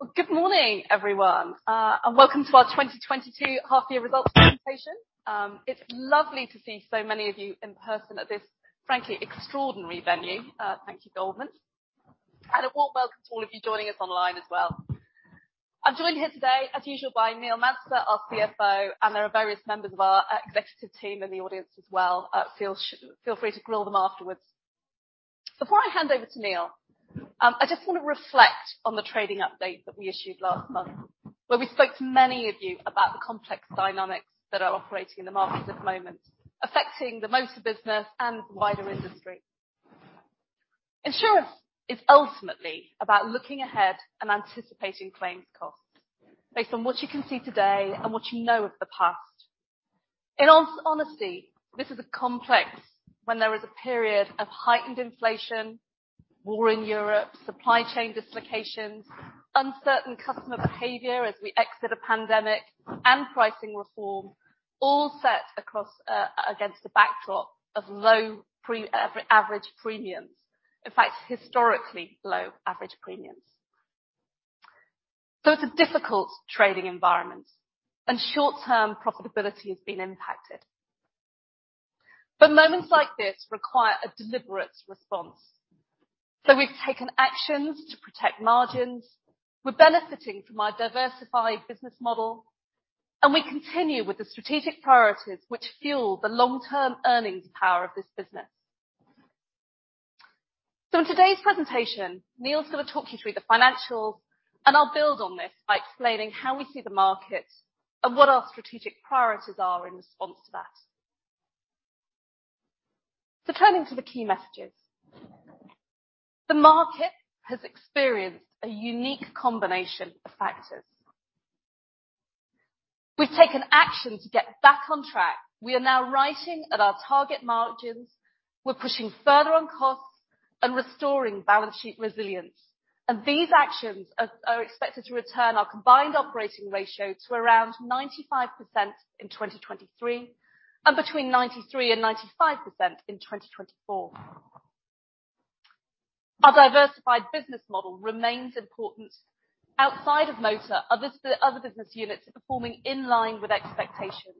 Well, good morning, everyone, and welcome to our 2022 Half Year Results Presentation. It's lovely to see so many of you in person at this, frankly, extraordinary venue. Thank you, Goldman. A warm welcome to all of you joining us online as well. I'm joined here today, as usual, by Neil Manser, our CFO, and there are various members of our executive team in the audience as well. Feel free to grill them afterwards. Before I hand over to Neil, I just wanna reflect on the trading update that we issued last month, where we spoke to many of you about the complex dynamics that are operating in the markets at the moment, affecting the motor business and the wider industry. Insurance is ultimately about looking ahead and anticipating claims costs based on what you can see today and what you know of the past. In honesty, this is a complex when there is a period of heightened inflation, war in Europe, supply chain dislocations, uncertain customer behavior as we exit a pandemic, and pricing reform all set against the backdrop of low average premiums. In fact, historically low average premiums. It's a difficult trading environment and short-term profitability has been impacted. Moments like this require a deliberate response. We've taken actions to protect margins, we're benefiting from our diversified business model, and we continue with the strategic priorities which fuel the long-term earnings power of this business. In today's presentation, Neil's gonna talk you through the financials, and I'll build on this by explaining how we see the market and what our strategic priorities are in response to that. Turning to the key messages. The market has experienced a unique combination of factors. We've taken action to get back on track. We are now rising at our target margins. We're pushing further on costs and restoring balance sheet resilience. These actions are expected to return our Combined Operating Ratio to around 95% in 2023, and between 93% and 95% in 2024. Our diversified business model remains important. Outside of motor, other business units are performing in line with expectations,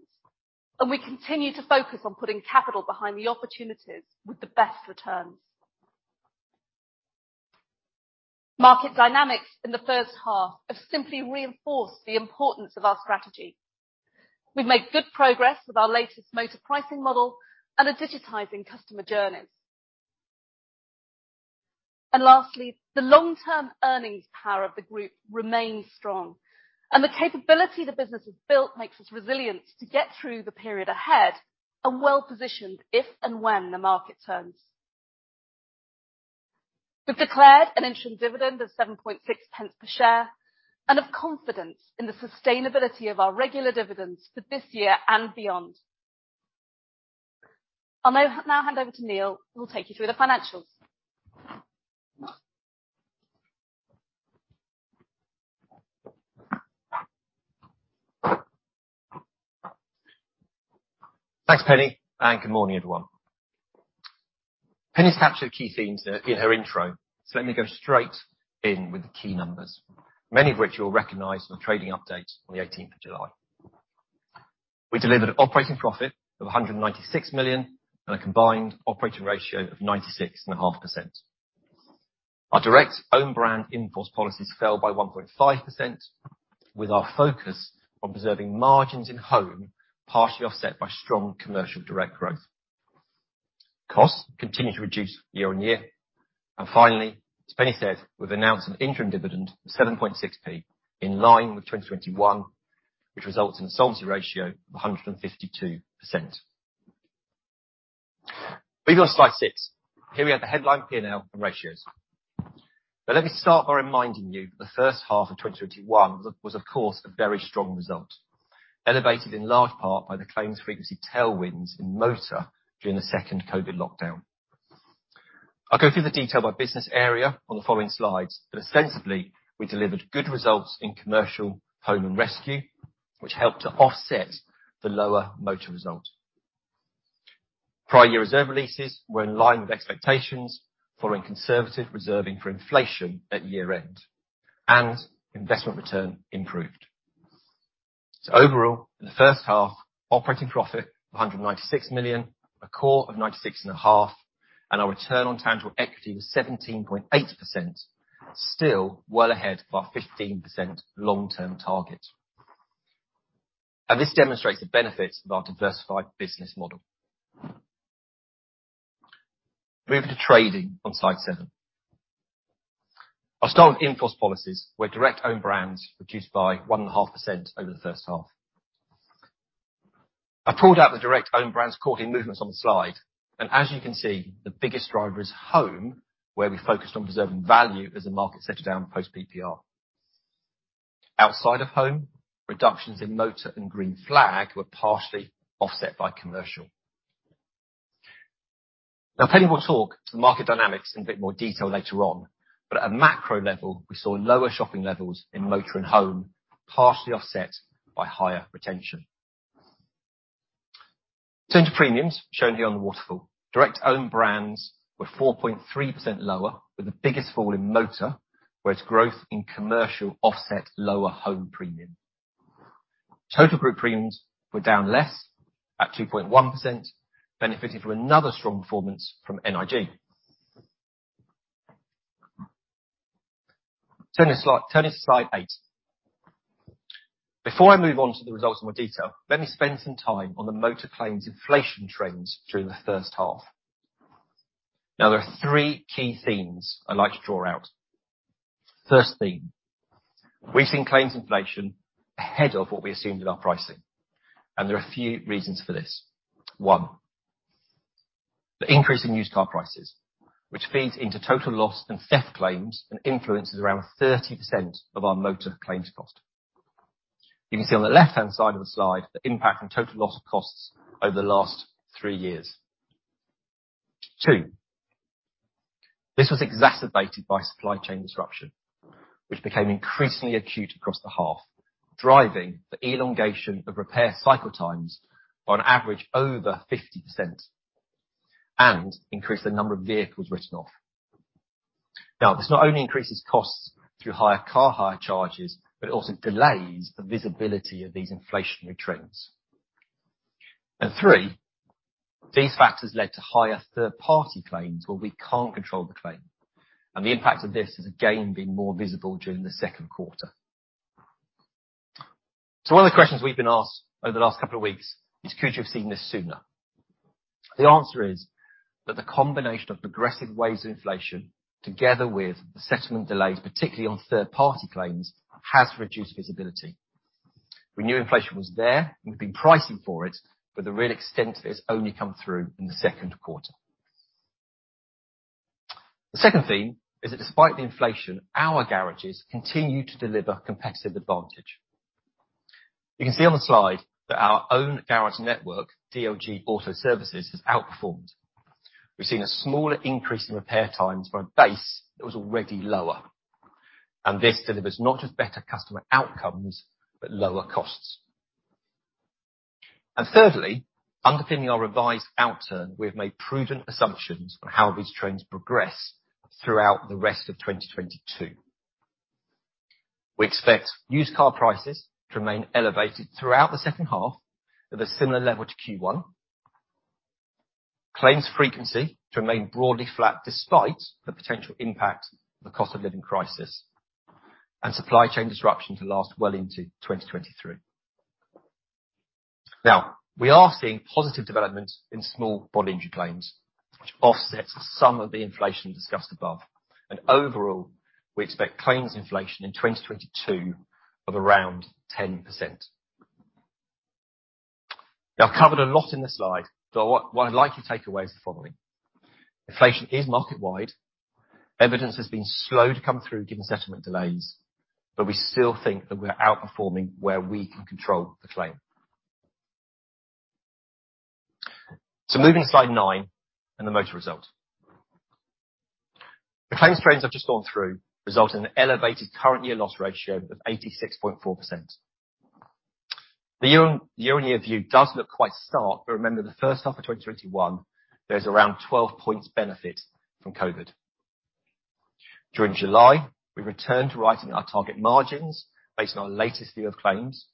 and we continue to focus on putting capital behind the opportunities with the best return. Market dynamics in the first half have simply reinforced the importance of our strategy. We've made good progress with our latest motor pricing model and are digitizing customer journey. Lastly, the long-term earnings power of the group remains strong. The capability the business has built makes us resilient to get through the period ahead and well-positioned if and when the market turns. We've declared an interim dividend of 0.76 per share, and have confidence in the sustainability of our regular dividends for this year and beyond. I'll now hand over to Neil, who will take you through the financials. Thanks, Penny, and good morning, everyone. Penny's captured the key themes in her intro, so let me go straight in with the key numbers, many of which you will recognize from the trading update on the eighteenth of July. We delivered operating profit of 196 million and a combined operating ratio of 96.5%. Our direct own brand in-force policies fell by 1.5%, with our focus on preserving margins in home partially offset by strong commercial direct growth. Costs continued to reduce year-on-year. Finally, as Penny said, we've announced an interim dividend of 0.76 in line with 2021, which results in a solvency ratio of 152%. Moving on to slide six, here we have the headline P&L and ratios. Let me start by reminding you the first half of 2021 was, of course, a very strong result, elevated in large part by the claims frequency tailwinds in motor during the second COVID lockdown. I'll go through the detail by business area on the following slides, but ostensibly, we delivered good results in commercial, home, and rescue, which helped to offset the lower motor result. Prior year reserve releases were in line with expectations following conservative reserving for inflation at year-end, and investment return improved. Overall, in the first half, operating profit of 196 million, a COR of 96.5, and our return on tangible equity was 17.8%, still well ahead of our 15% long-term target. This demonstrates the benefits of our diversified business model. Moving to trading on slide seven. I'll start with in-force policies, where direct own brands reduced by 1.5% over the first half. I pulled out the direct own brands caught in movements on the slide, and as you can see, the biggest driver is home, where we focused on preserving value as the market settled down post-PPR. Outside of home, reductions in motor and Green Flag were partially offset by commercial. Now, Penny will talk to the market dynamics in a bit more detail later on, but at a macro level, we saw lower shopping levels in motor and home, partially offset by higher retention. Then, premiums shown here on the waterfall. Direct own brands were 4.3% lower, with the biggest fall in motor, whereas growth in commercial offset lower home premium. Total group premiums were down less at 2.1%, benefiting from another strong performance from NIG. Turning to slide eight. Before I move on to the results in more detail, let me spend some time on the motor claims inflation trends during the first half. Now, there are three key themes I'd like to draw out. First theme. We've seen claims inflation ahead of what we assumed in our pricing, and there are a few reasons for this. One, the increase in used car prices, which feeds into total loss and theft claims, and influences around 30% of our motor claims cost. You can see on the left-hand side of the slide the impact on total loss costs over the last three years. Two, this was exacerbated by supply chain disruption, which became increasingly acute across the half, driving the elongation of repair cycle times on average over 50%, and increased the number of vehicles written off. Now, this not only increases costs through higher car hire charges, but it also delays the visibility of these inflationary trends. Three, these factors led to higher third-party claims where we can't control the claim, and the impact of this has again, been more visible during the second quarter. One of the questions we've been asked over the last couple of weeks is, could you have seen this sooner? The answer is that the combination of progressive waves of inflation, together with the settlement delays, particularly on third-party claims, has reduced visibility. We knew inflation was there, and we've been pricing for it, but the real extent of it has only come through in the second quarter. The second theme is that despite the inflation, our garages continue to deliver competitive advantage. You can see on the slide that our own garage network, DLG Auto Services, has outperformed. We've seen a smaller increase in repair times from a base that was already lower, and this delivers not just better customer outcomes, but lower costs. Thirdly, underpinning our revised outturn, we have made prudent assumptions on how these trends progress throughout the rest of 2022. We expect used car prices to remain elevated throughout the second half at a similar level to Q1. Claims frequency to remain broadly flat despite the potential impact of the cost of living crisis. Supply chain disruption to last well into 2023. Now, we are seeing positive developments in small body injury claims, which offsets some of the inflation discussed above. Overall, we expect claims inflation in 2022 of around 10%. Now, I've covered a lot in this slide, but what I'd like you to take away is the following. Inflation is market-wide. Evidence has been slow to come through given settlement delays, but we still think that we're outperforming where we can control the claim. Moving to slide nine and the motor result. The claims trends I've just gone through result in an elevated current year loss ratio of 86.4%. The year-on-year view does look quite stark, but remember the first half of 2021, there's around 12 points benefit from COVID. During July, we returned to writing our target margins based on our latest view of claims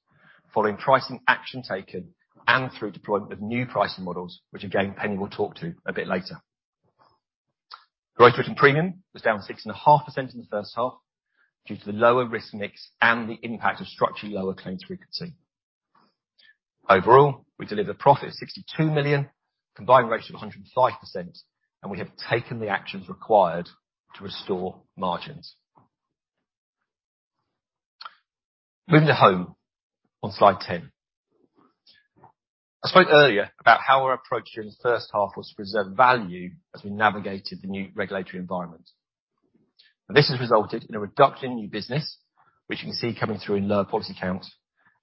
following pricing action taken and through deployment of new pricing models, which again, Penny will talk to a bit later. Growth written premium was down 6.5% in the first half due to the lower risk mix and the impact of structurally lower claims frequency. Overall, we delivered a profit of 62 million, combined ratio of 105%, and we have taken the actions required to restore margins. Moving to home on slide 10. I spoke earlier about how we're approaching the first half was to preserve value as we navigated the new regulatory environment. This has resulted in a reduction in new business, which you can see coming through in lower policy count,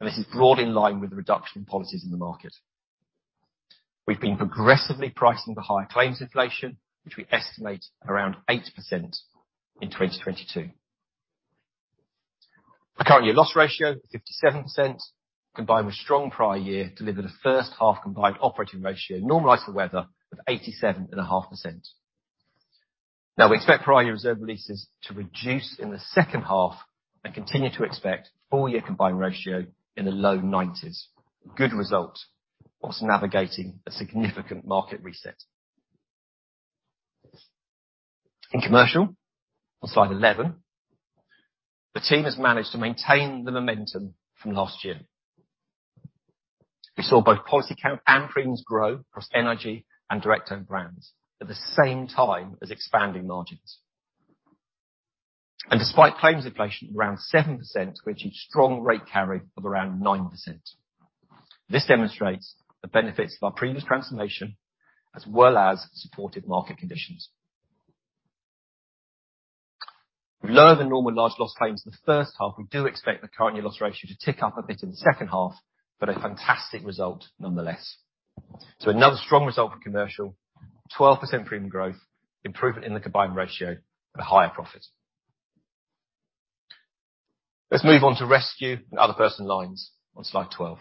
and this is broadly in line with the reduction in policies in the market. We've been progressively pricing the higher claims inflation, which we estimate at around 8% in 2022. The current year loss ratio, 57%, combined with strong prior year, delivered a first half combined operating ratio normalized for weather of 87.5%. Now, we expect prior year reserve releases to reduce in the second half and continue to expect full year combined ratio in the low 90s. Good result while navigating a significant market reset. In commercial, on slide 11, the team has managed to maintain the momentum from last year. We saw both policy count and premiums grow across NIG and direct owned brands at the same time as expanding margins. Despite claims inflation of around 7%, we achieved strong rate carry of around 9%. This demonstrates the benefits of our previous transformation as well as supported market conditions. With lower than normal large loss claims in the first half, we do expect the current year loss ratio to tick up a bit in the second half, but a fantastic result nonetheless. Another strong result for commercial, 12% premium growth, improvement in the combined ratio and a higher profit. Let's move on to rescue and other personal lines on slide 12.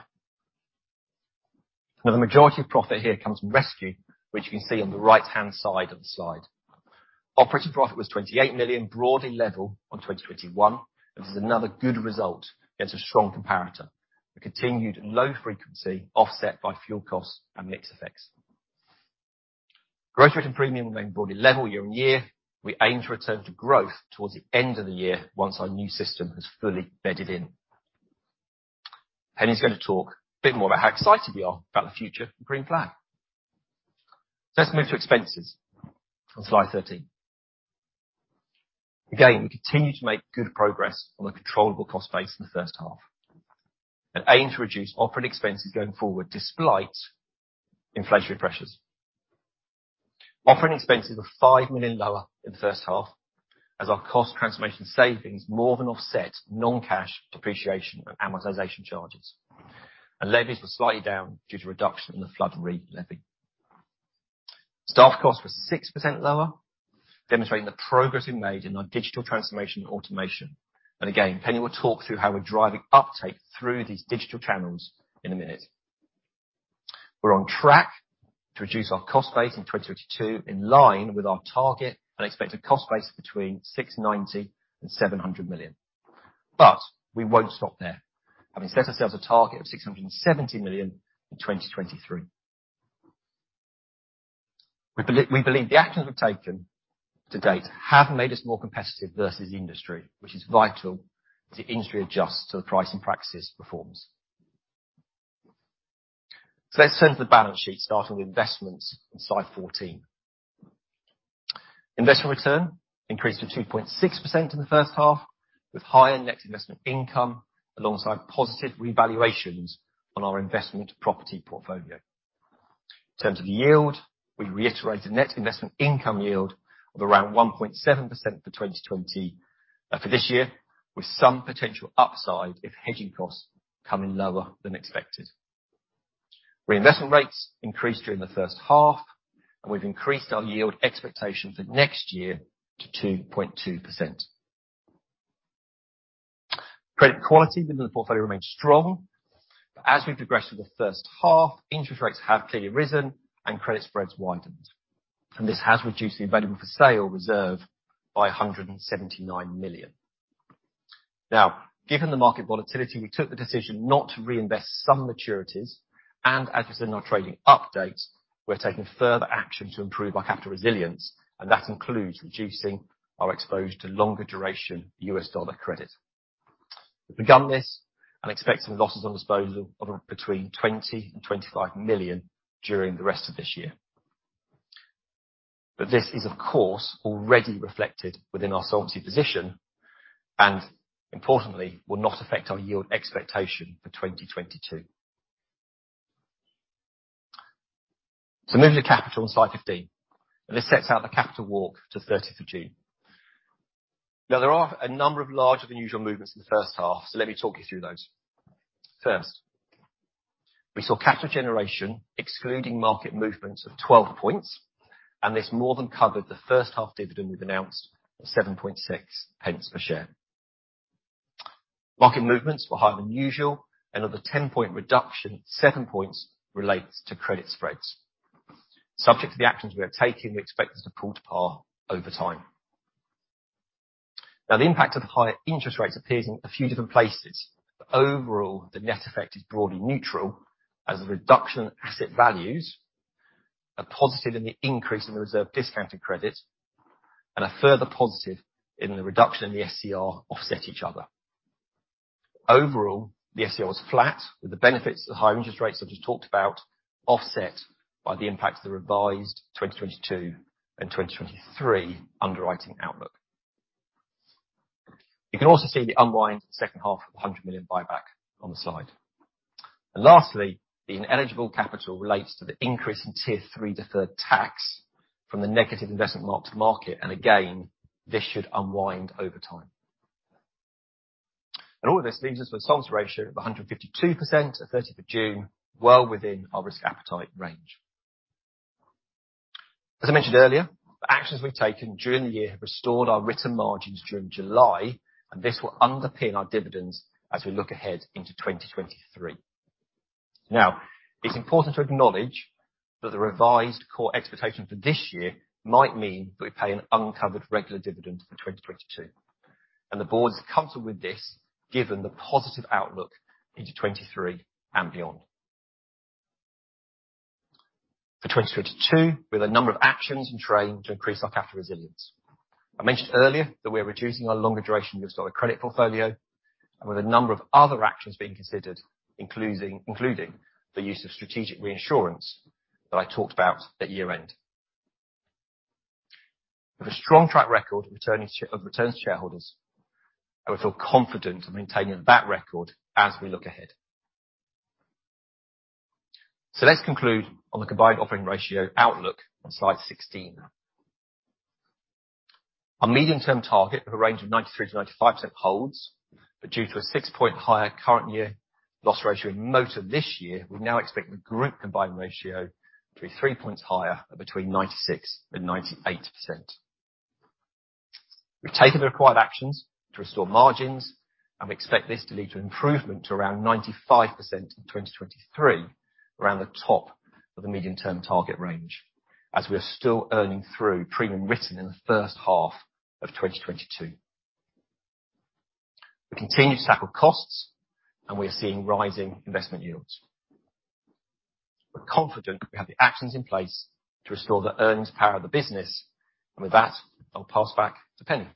Now, the majority of profit here comes from rescue, which you can see on the right-hand side of the slide. Operating profit was 28 million, broadly level on 2021. This is another good result against a strong comparator. The continued low frequency offset by fuel costs and mix effects. Gross written premium went broadly level year-over-year. We aim to return to growth towards the end of the year once our new system has fully bedded in. Penny's gonna talk a bit more about how excited we are about the future of Green Flag. Let's move to expenses on slide 13. Again, we continue to make good progress on the controllable cost base in the first half and aim to reduce operating expenses going forward, despite inflationary pressures. Operating expenses were 5 million lower in the first half as our cost transformation savings more than offset non-cash depreciation and amortization charges. Levies were slightly down due to reduction in the Flood Re levy. Staff costs were 6% lower, demonstrating the progress we made in our digital transformation and automation. Again, Penny will talk through how we're driving uptake through these digital channels in a minute. We're on track to reduce our cost base in 2022 in line with our target, and expect a cost base between 690 million and 700 million. But we won't stop there, having set ourselves a target of 670 million in 2023. We believe the actions we've taken to date have made us more competitive versus the industry, which is vital as the industry adjusts to the pricing practices reforms. Let's turn to the balance sheet, starting with investments on slide 14. Investment return increased to 2.6% in the first half, with higher net investment income alongside positive revaluations on our investment property portfolio. In terms of yield, we reiterate the net investment income yield of around 1.7% for 2020, for this year, with some potential upside if hedging costs come in lower than expected. Reinvestment rates increased during the first half, and we've increased our yield expectations for next year to 2.2%. Credit quality within the portfolio remains strong, but as we've progressed through the first half, interest rates have clearly risen and credit spreads widened. This has reduced the available for sale reserve by 179 million. Now, given the market volatility, we took the decision not to reinvest some maturities, and as we said in our trading update, we're taking further action to improve our capital resilience, and that includes reducing our exposure to longer duration U.S. dollar credit. We've begun this and expecting losses on disposal of between 20 and 25 million during the rest of this year. This is, of course, already reflected within our solvency position, and importantly, will not affect our yield expectation for 2022. Moving to capital on slide 15, and this sets out the capital walk to 13th of June. Now, there are a number of larger than usual movements in the first half, so let me talk you through those. First, we saw capital generation excluding market movements of 12 points, and this more than covered the first half dividend we've announced of 0.76 per share. Market movements were higher than usual and of the 10-point reduction, seven points relates to credit spreads. Subject to the actions we are taking, we expect this to pull to par over time. Now, the impact of the higher interest rates appears in a few different places. Overall, the net effect is broadly neutral, as the reduction in asset values, a positive in the increase in the reserve discounted credit, and a further positive in the reduction in the SCR offset each other. Overall, the SCR was flat with the benefits of the high interest rates I've just talked about offset by the impact of the revised 2022 and 2023 underwriting outlook. You can also see the unwind second half of the 100 million buyback on the slide. Lastly, the ineligible capital relates to the increase in Tier 3 deferred tax from the negative investment mark to market, and again, this should unwind over time. All of this leaves us with a solvency ratio of 152% at 13th of June, well within our risk appetite range. As I mentioned earlier, the actions we've taken during the year have restored our written margins during July, and this will underpin our dividends as we look ahead into 2023. Now, it's important to acknowledge that the revised core expectation for this year might mean that we pay an uncovered regular dividend for 2022, and the board's comfortable with this given the positive outlook into 2023 and beyond. For 2022, with a number of actions in train to increase our capital resilience. I mentioned earlier that we are reducing our longer duration U.S. dollar credit portfolio and with a number of other actions being considered, including the use of strategic reinsurance that I talked about at year-end. With a strong track record of return to shareholders, and we feel confident in maintaining that record as we look ahead. Let's conclude on the Combined Operating Ratio outlook on slide 16. Our medium-term target of a range of 93%-95% holds, but due to a six-point higher current-year loss ratio in motor this year, we now expect the group Combined Ratio to be three points higher at between 96% and 98%. We've taken the required actions to restore margins, and we expect this to lead to improvement to around 95% in 2023, around the top of the medium-term target range, as we are still earning through premium written in the first half of 2022. We continue to tackle costs, and we are seeing rising investment yields. We're confident we have the actions in place to restore the earnings power of the business, and with that, I'll pass back to Penny.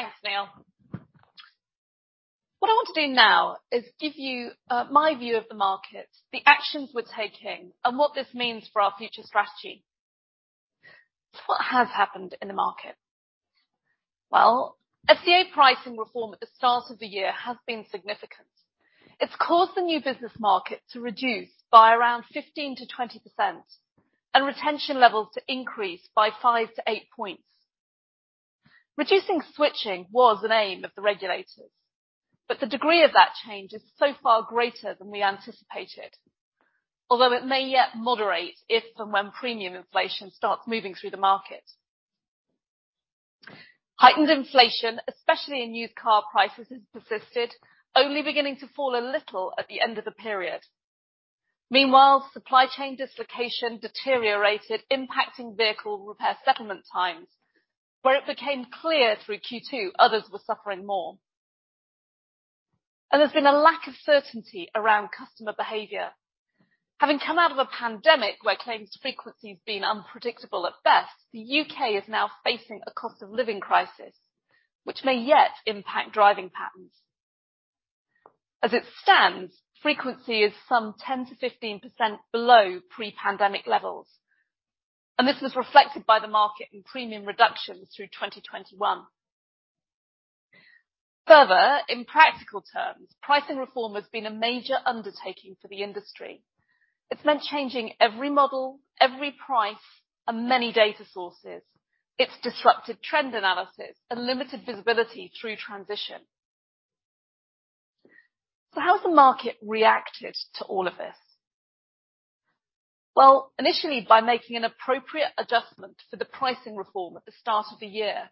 Thanks, Neil. What I want to do now is give you my view of the market, the actions we're taking, and what this means for our future strategy. What has happened in the market? Well, FCA pricing reform at the start of the year has been significant. It's caused the new business market to reduce by around 15%-20%, and retention levels to increase by five to eight points. Reducing switching was an aim of the regulators, but the degree of that change is so far greater than we anticipated. Although it may yet moderate if and when premium inflation starts moving through the market. Heightened inflation, especially in used car prices, has persisted, only beginning to fall a little at the end of the period. Meanwhile, supply chain dislocation deteriorated, impacting vehicle repair settlement times, where it became clear through Q2 others were suffering more. There's been a lack of certainty around customer behavior. Having come out of a pandemic where claims frequency's been unpredictable at best, the U.K. is now facing a cost of living crisis which may yet impact driving patterns. As it stands, frequency is some 10%-15% below pre-pandemic levels, and this is reflected by the market in premium reductions through 2021. Further, in practical terms, pricing reform has been a major undertaking for the industry. It's meant changing every model, every price, and many data sources. It's disrupted trend analysis and limited visibility through transition. How's the market reacted to all of this? Well, initially by making an appropriate adjustment for the pricing reform at the start of the year.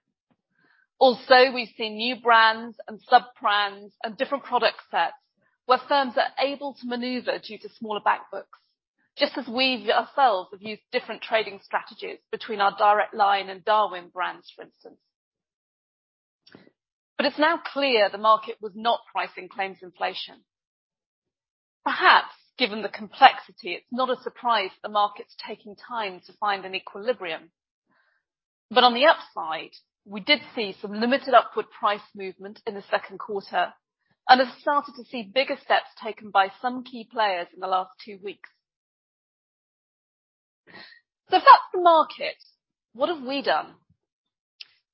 Also, we've seen new brands and sub-brands and different product sets where firms are able to maneuver due to smaller back books. Just as we ourselves have used different trading strategies between our Direct Line and Darwin brands, for instance. It's now clear the market was not pricing claims inflation. Perhaps, given the complexity, it's not a surprise the market's taking time to find an equilibrium. On the upside, we did see some limited upward price movement in the second quarter and have started to see bigger steps taken by some key players in the last two weeks. If that's the market, what have we done?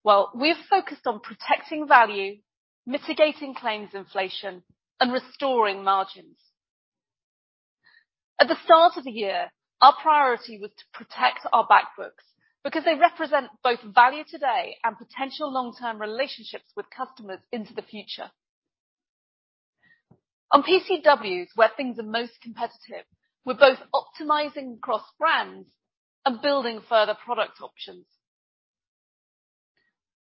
Well, we've focused on protecting value, mitigating claims inflation, and restoring margins. At the start of the year, our priority was to protect our back books because they represent both value today and potential long-term relationships with customers into the future. On PCWs, where things are most competitive, we're both optimizing cross-brand and building further product options.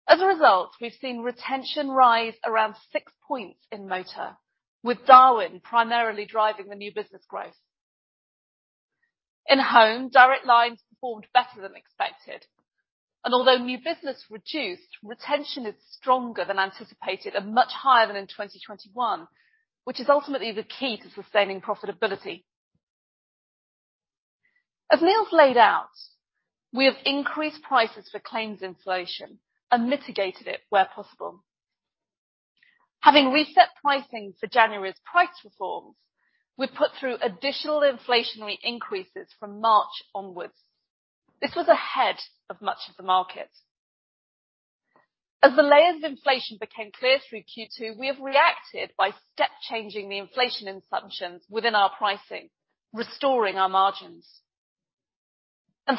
As a result, we've seen retention rise around six points in motor, with Darwin primarily driving the new business growth. In home, Direct Line performed better than expected, and although new business reduced, retention is stronger than anticipated and much higher than in 2021, which is ultimately the key to sustaining profitability. As Neil's laid out, we have increased prices for claims inflation and mitigated it where possible. Having reset pricing for January's price reforms, we've put through additional inflationary increases from March onwards. This was ahead of much of the market. As the layers of inflation became clear through Q2, we have reacted by step-changing the inflation assumptions within our pricing, restoring our margins.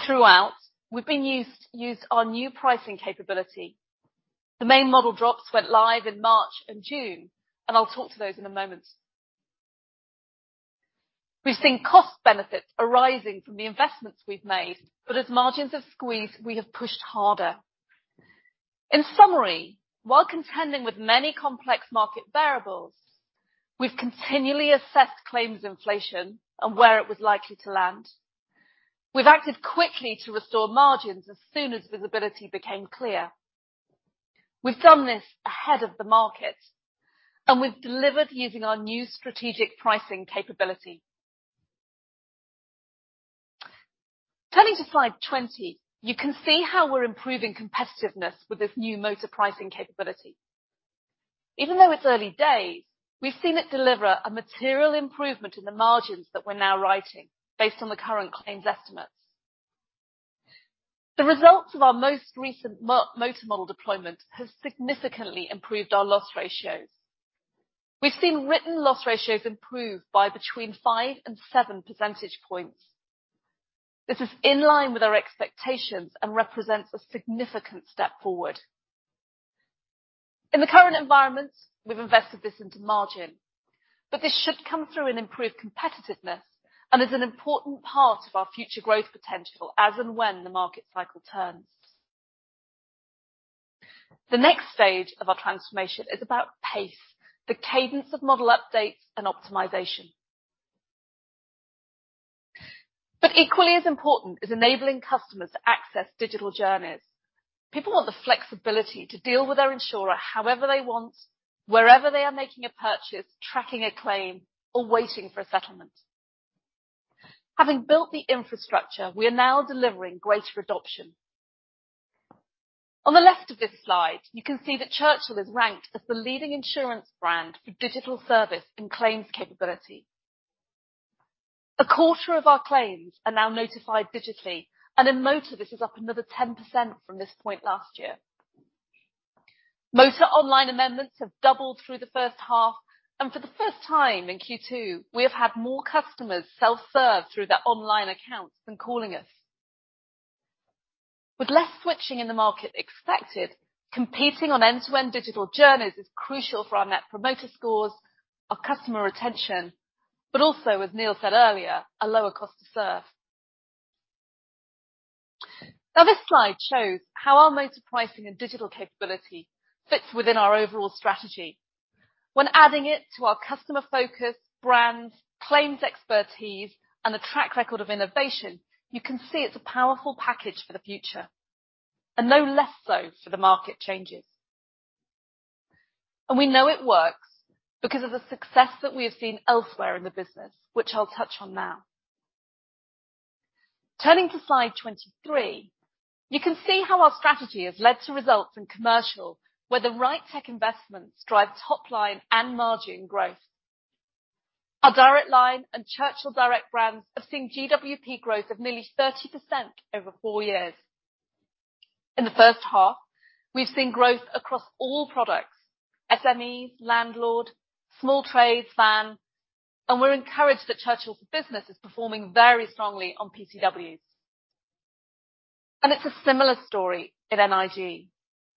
Throughout, we've been using our new pricing capability. The main model drops went live in March and June, and I'll talk to those in a moment. We've seen cost benefits arising from the investments we've made, but as margins have squeezed, we have pushed harder. In summary, while contending with many complex market variables, we've continually assessed claims inflation and where it was likely to land. We've acted quickly to restore margins as soon as visibility became clear. We've done this ahead of the market, and we've delivered using our new strategic pricing capability. Turning to slide 20, you can see how we're improving competitiveness with this new motor pricing capability. Even though it's early days, we've seen it deliver a material improvement in the margins that we're now writing based on the current claims estimates. The results of our most recent motor model deployment have significantly improved our loss ratios. We've seen written loss ratios improve by between five and seven percentage points. This is in line with our expectations and represents a significant step forward. In the current environment, we've invested this into margin, but this should come through and improve competitiveness and is an important part of our future growth potential as and when the market cycle turns. The next stage of our transformation is about pace, the cadence of model updates and optimization. Equally as important is enabling customers to access digital journeys. People want the flexibility to deal with their insurer however they want, wherever they are making a purchase, tracking a claim, or waiting for a settlement. Having built the infrastructure, we are now delivering greater adoption. On the left of this slide, you can see that Churchill is ranked as the leading insurance brand for digital service and claims capability. A quarter of our claims are now notified digitally, and in motor, this is up another 10% from this point last year. Motor online amendments have doubled through the first half, and for the first time in Q2, we have had more customers self-serve through their online accounts than calling us. With less switching in the market expected, competing on end-to-end digital journeys is crucial for our Net Promoter Scores, our customer retention, but also, as Neil said earlier, a lower cost to serve. Now, this slide shows how our motor pricing and digital capability fits within our overall strategy. When adding it to our customer focus, brands, claims expertise, and the track record of innovation, you can see it's a powerful package for the future, and no less so for the market changes. We know it works because of the success that we have seen elsewhere in the business, which I'll touch on now. Turning to slide 23, you can see how our strategy has led to results in commercial, where the right tech investments drive top line and margin growth. Our Direct Line and Churchill direct brands have seen GWP growth of nearly 30% over four years. In the first half, we've seen growth across all products, SMEs, landlord, small trade, van, and we're encouraged that Churchill's business is performing very strongly on PCWs. It's a similar story in NIG.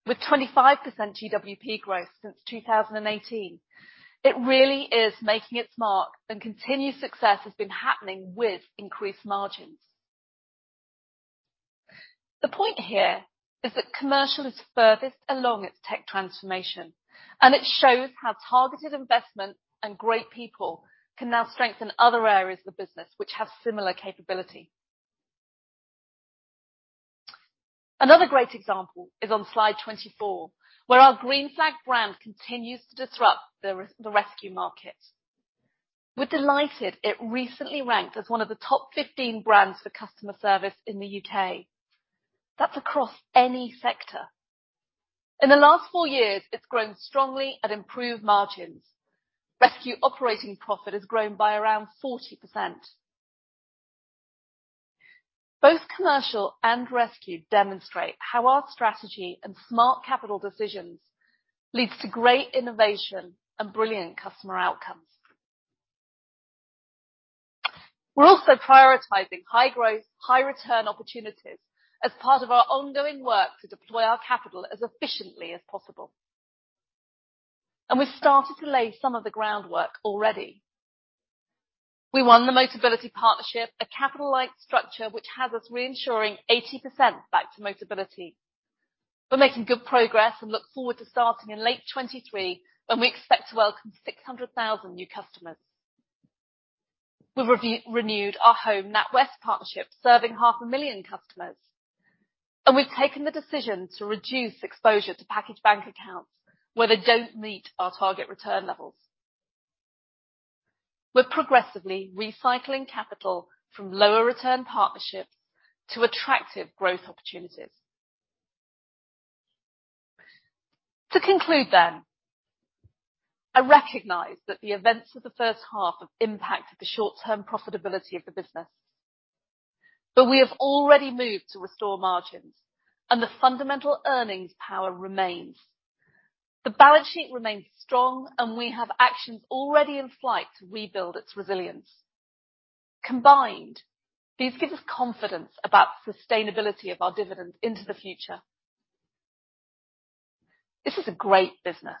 With 25% GWP growth since 2018, it really is making its mark, and continued success has been happening with increased margins. The point here is that commercial is furthest along its tech transformation, and it shows how targeted investment and great people can now strengthen other areas of the business which have similar capability. Another great example is on slide 24, where our Green Flag brand continues to disrupt the rescue market. We're delighted it recently ranked as one of the top 15 brands for customer service in the U.K. That's across any sector. In the last four years, it's grown strongly at improved margins. Rescue operating profit has grown by around 40%. Both commercial and rescue demonstrate how our strategy and smart capital decisions leads to great innovation and brilliant customer outcomes. We're also prioritizing high growth, high return opportunities as part of our ongoing work to deploy our capital as efficiently as possible, and we've started to lay some of the groundwork already. We won the Motability partnership, a capital-light structure which has us reinsuring 80% back to Motability. We're making good progress and look forward to starting in late 2023, when we expect to welcome 600,000 new customers. We've renewed our home NatWest partnership, serving 500,000 customers, and we've taken the decision to reduce exposure to package bank accounts where they don't meet our target return levels. We're progressively recycling capital from lower return partnerships to attractive growth opportunities. To conclude then, I recognize that the events of the first half have impacted the short-term profitability of the business, but we have already moved to restore margins, and the fundamental earnings power remains. The balance sheet remains strong, and we have actions already in flight to rebuild its resilience. Combined, this gives us confidence about the sustainability of our dividend into the future. This is a great business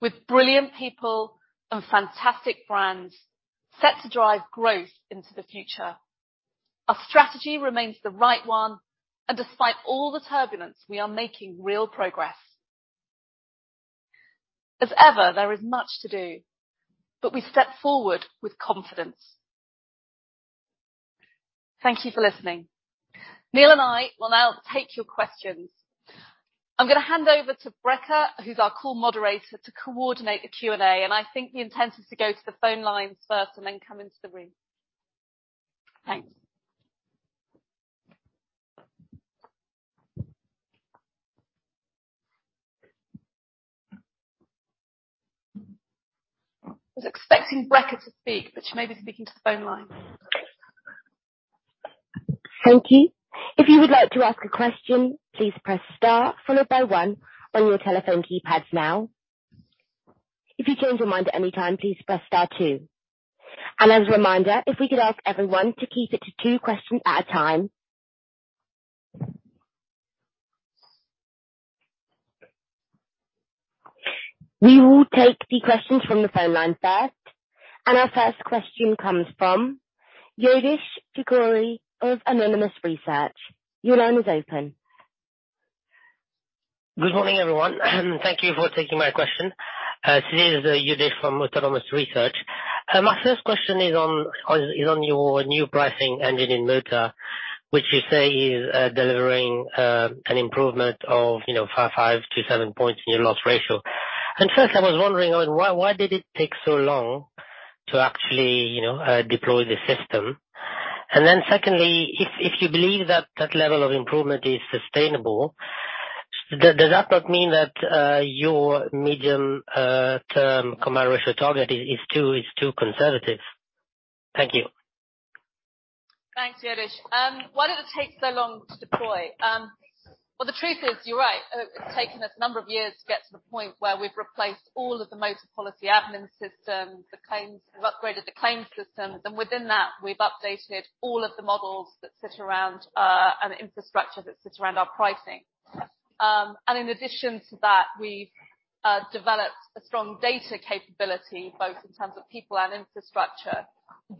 with brilliant people and fantastic brands set to drive growth into the future. Our strategy remains the right one, and despite all the turbulence, we are making real progress. As ever, there is much to do, but we step forward with confidence. Thank you for listening. Neil and I will now take your questions. I'm gonna hand over to Becca, who's our call moderator, to coordinate the Q&A, and I think the intent is to go to the phone lines first and then come into the room. Thanks. I was expecting Becca to speak, but she may be speaking to the phone line. Thank you. If you would like to ask a question, please press star followed by one on your telephone keypads now. If you change your mind at any time, please press star two. As a reminder, if we could ask everyone to keep it to two questions at a time. We will take the questions from the phone line first. Our first question comes from Youdish Chicooree of Autonomous Research. Your line is open. Good morning, everyone, and thank you for taking my question. This is Youdish from Autonomous Research. My first question is on your new pricing engine in motor, which you say is delivering an improvement of, you know, five to seven points in your loss ratio. First, I was wondering, I mean, why did it take so long to actually, you know, deploy the system? Then secondly, if you believe that that level of improvement is sustainable, does that not mean that your medium-term combined ratio target is too conservative? Thank you. Thanks, Youdish. Why did it take so long to deploy? Well, the truth is, you're right. It's taken us a number of years to get to the point where we've replaced all of the motor policy admin system. We've upgraded the claims system. Within that, we've updated all of the models that sit around, and the infrastructure that sits around our pricing. In addition to that, we've developed a strong data capability, both in terms of people and infrastructure,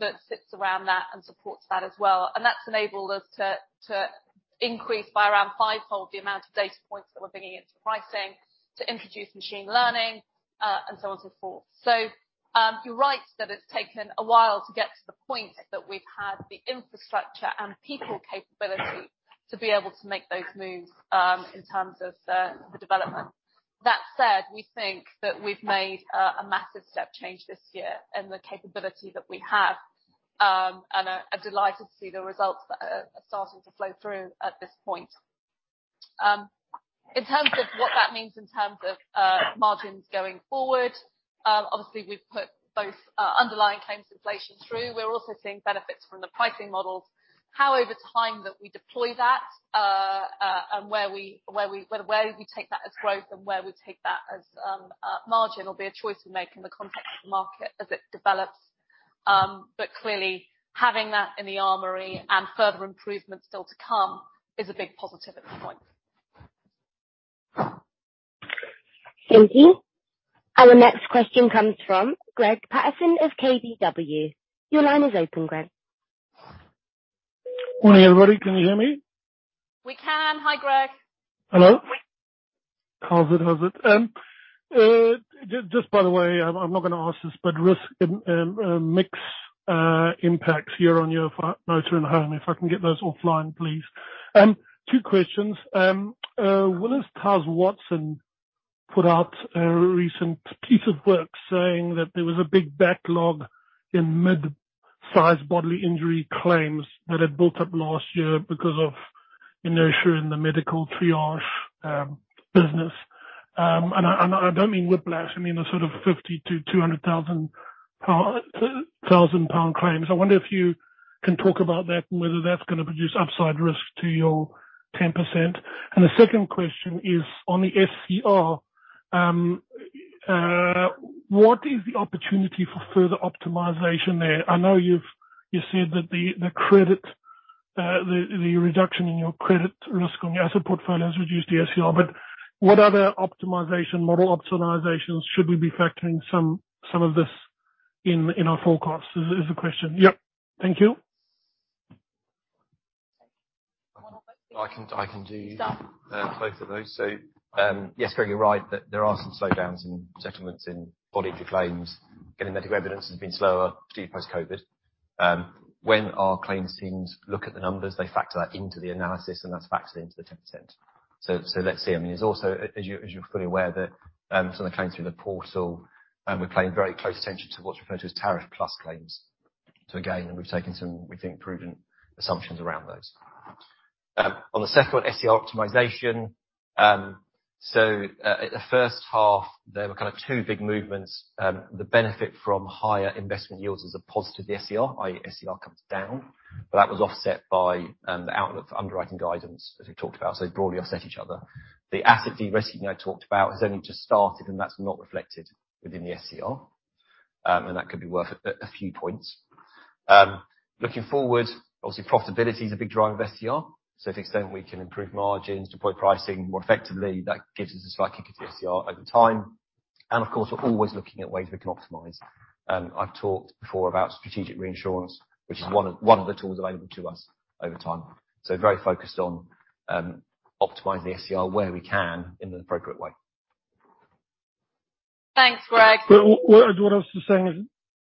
that sits around that and supports that as well. That's enabled us to increase by around fivefold the amount of data points that we're bringing into pricing, to introduce machine learning, and so on, so forth. You're right that it's taken a while to get to the point that we've had the infrastructure and people capability to be able to make those moves in terms of the development. That said, we think that we've made a massive step change this year in the capability that we have. I'm delighted to see the results that are starting to flow through at this point. In terms of what that means in terms of margins going forward, obviously we've put both underlying claims inflation through. We're also seeing benefits from the pricing models. How over time that we deploy that, and where we take that as growth and where we take that as margin will be a choice we make in the context of the market as it develops. Clearly having that in the armory and further improvements still to come is a big positive at this point. Thank you. Our next question comes from Greig Paterson of KBW. Your line is open, Greig. Morning, everybody. Can you hear me? We can. Hi, Greig. Hello. How's it? Just by the way, I'm not gonna ask this, but risk mix impacts year-on-year for motor and home, if I can get those offline, please. Two questions. Willis Towers Watson put out a recent piece of work saying that there was a big backlog in mid-sized bodily injury claims that had built up last year because of inertia in the medical triage business. I don't mean whiplash, I mean, the sort of 50,000-200,000 claims. I wonder if you can talk about that and whether that's gonna produce upside risk to your 10%. The second question is on the SCR. What is the opportunity for further optimization there? I know you said that the reduction in your credit risk on your asset portfolio has reduced the SCR, but what other optimization, model optimizations should we be factoring some of this in our forecast, is the question. Yep. Thank you. I can do both of those. Yes, Greig, you're right that there are some slowdowns in settlements in bodily injury claims. Getting medical evidence has been slower due to post-COVID. When our claims teams look at the numbers, they factor that into the analysis and that's factored into the 10%. Let's see. I mean, there's also, as you're fully aware that, some of the claims through the portal, we're paying very close attention to what's referred to as tariff plus claims. Again, we've taken some, we think, prudent assumptions around those. On the second SCR optimization, at the first half, there were kind of two big movements. The benefit from higher investment yields is a positive SCR, i.e. SCR comes down. That was offset by the outlook for underwriting guidance, as we talked about. They broadly offset each other. The asset derisking I talked about has only just started, and that's not reflected within the SCR. That could be worth a few points. Looking forward, obviously profitability is a big driver of SCR. To the extent we can improve margins, deploy pricing more effectively, that gives us a slight kick of the SCR over time. Of course, we're always looking at ways we can optimize. I've talked before about strategic reinsurance, which is one of the tools available to us over time. Very focused on optimizing the SCR where we can in the appropriate way. Thanks, Greig. What I was just saying is.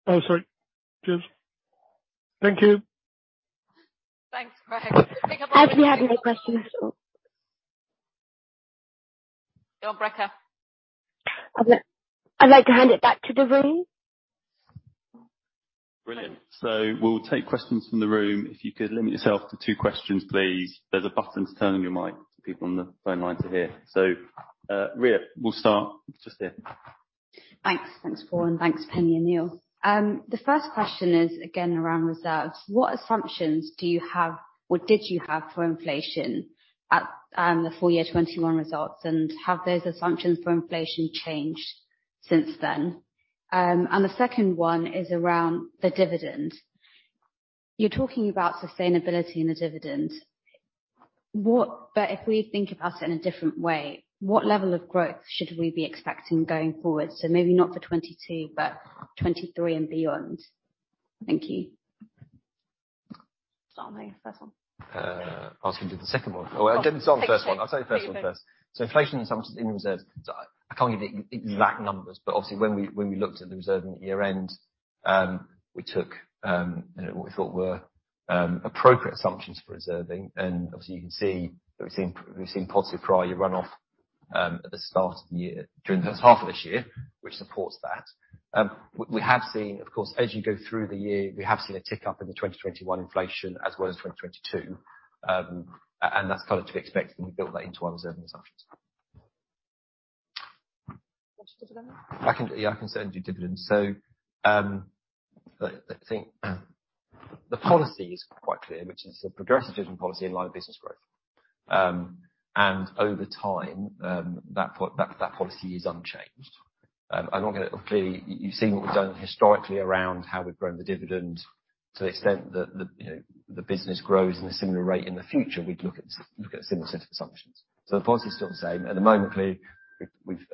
Oh, sorry. Just thank you. Thanks, Greig. I think we have no more questions. Go on, Becca. I'd like to hand it back to the room. Brilliant. We'll take questions from the room. If you could limit yourself to two questions, please. There's a button to turn on your mic so people on the phone line to hear. Ria, we'll start just here. Thanks. Thanks, Paul, and thanks, Penny and Neil. The first question is again around reserves. What assumptions do you have, or did you have for inflation at the full year 2021 results? Have those assumptions for inflation changed since then? The second one is around the dividend. You're talking about sustainability and the dividend. But if we think about it in a different way, what level of growth should we be expecting going forward? Maybe not for 2022, but 2023 and beyond. Thank you. Start on the first one. I'll do the second one. Well, I'll start on the first one. I'll take the first one first. Inflation assumptions in reserves, I can't give the exact numbers, but obviously when we looked at the reserve in the year end, we took, you know, what we thought were appropriate assumptions for reserving. Obviously you can see that we've seen positive prior year runoff at the start of the year, during the first half of this year, which supports that. We have seen, of course, as you go through the year, we have seen a tick up in the 2021 inflation as well as 2022. And that's kind of to be expected, and we built that into our reserving assumptions. Want to do dividend? I can do, yeah, I can certainly do dividends. I think the policy is quite clear, which is the progressive dividend policy in line with business growth. Over time, that policy is unchanged. I'm not gonna. Clearly you've seen what we've done historically around how we've grown the dividend to the extent that, you know, the business grows in a similar rate in the future, we'd look at similar set of assumptions. The policy is still the same. At the moment, clearly, we've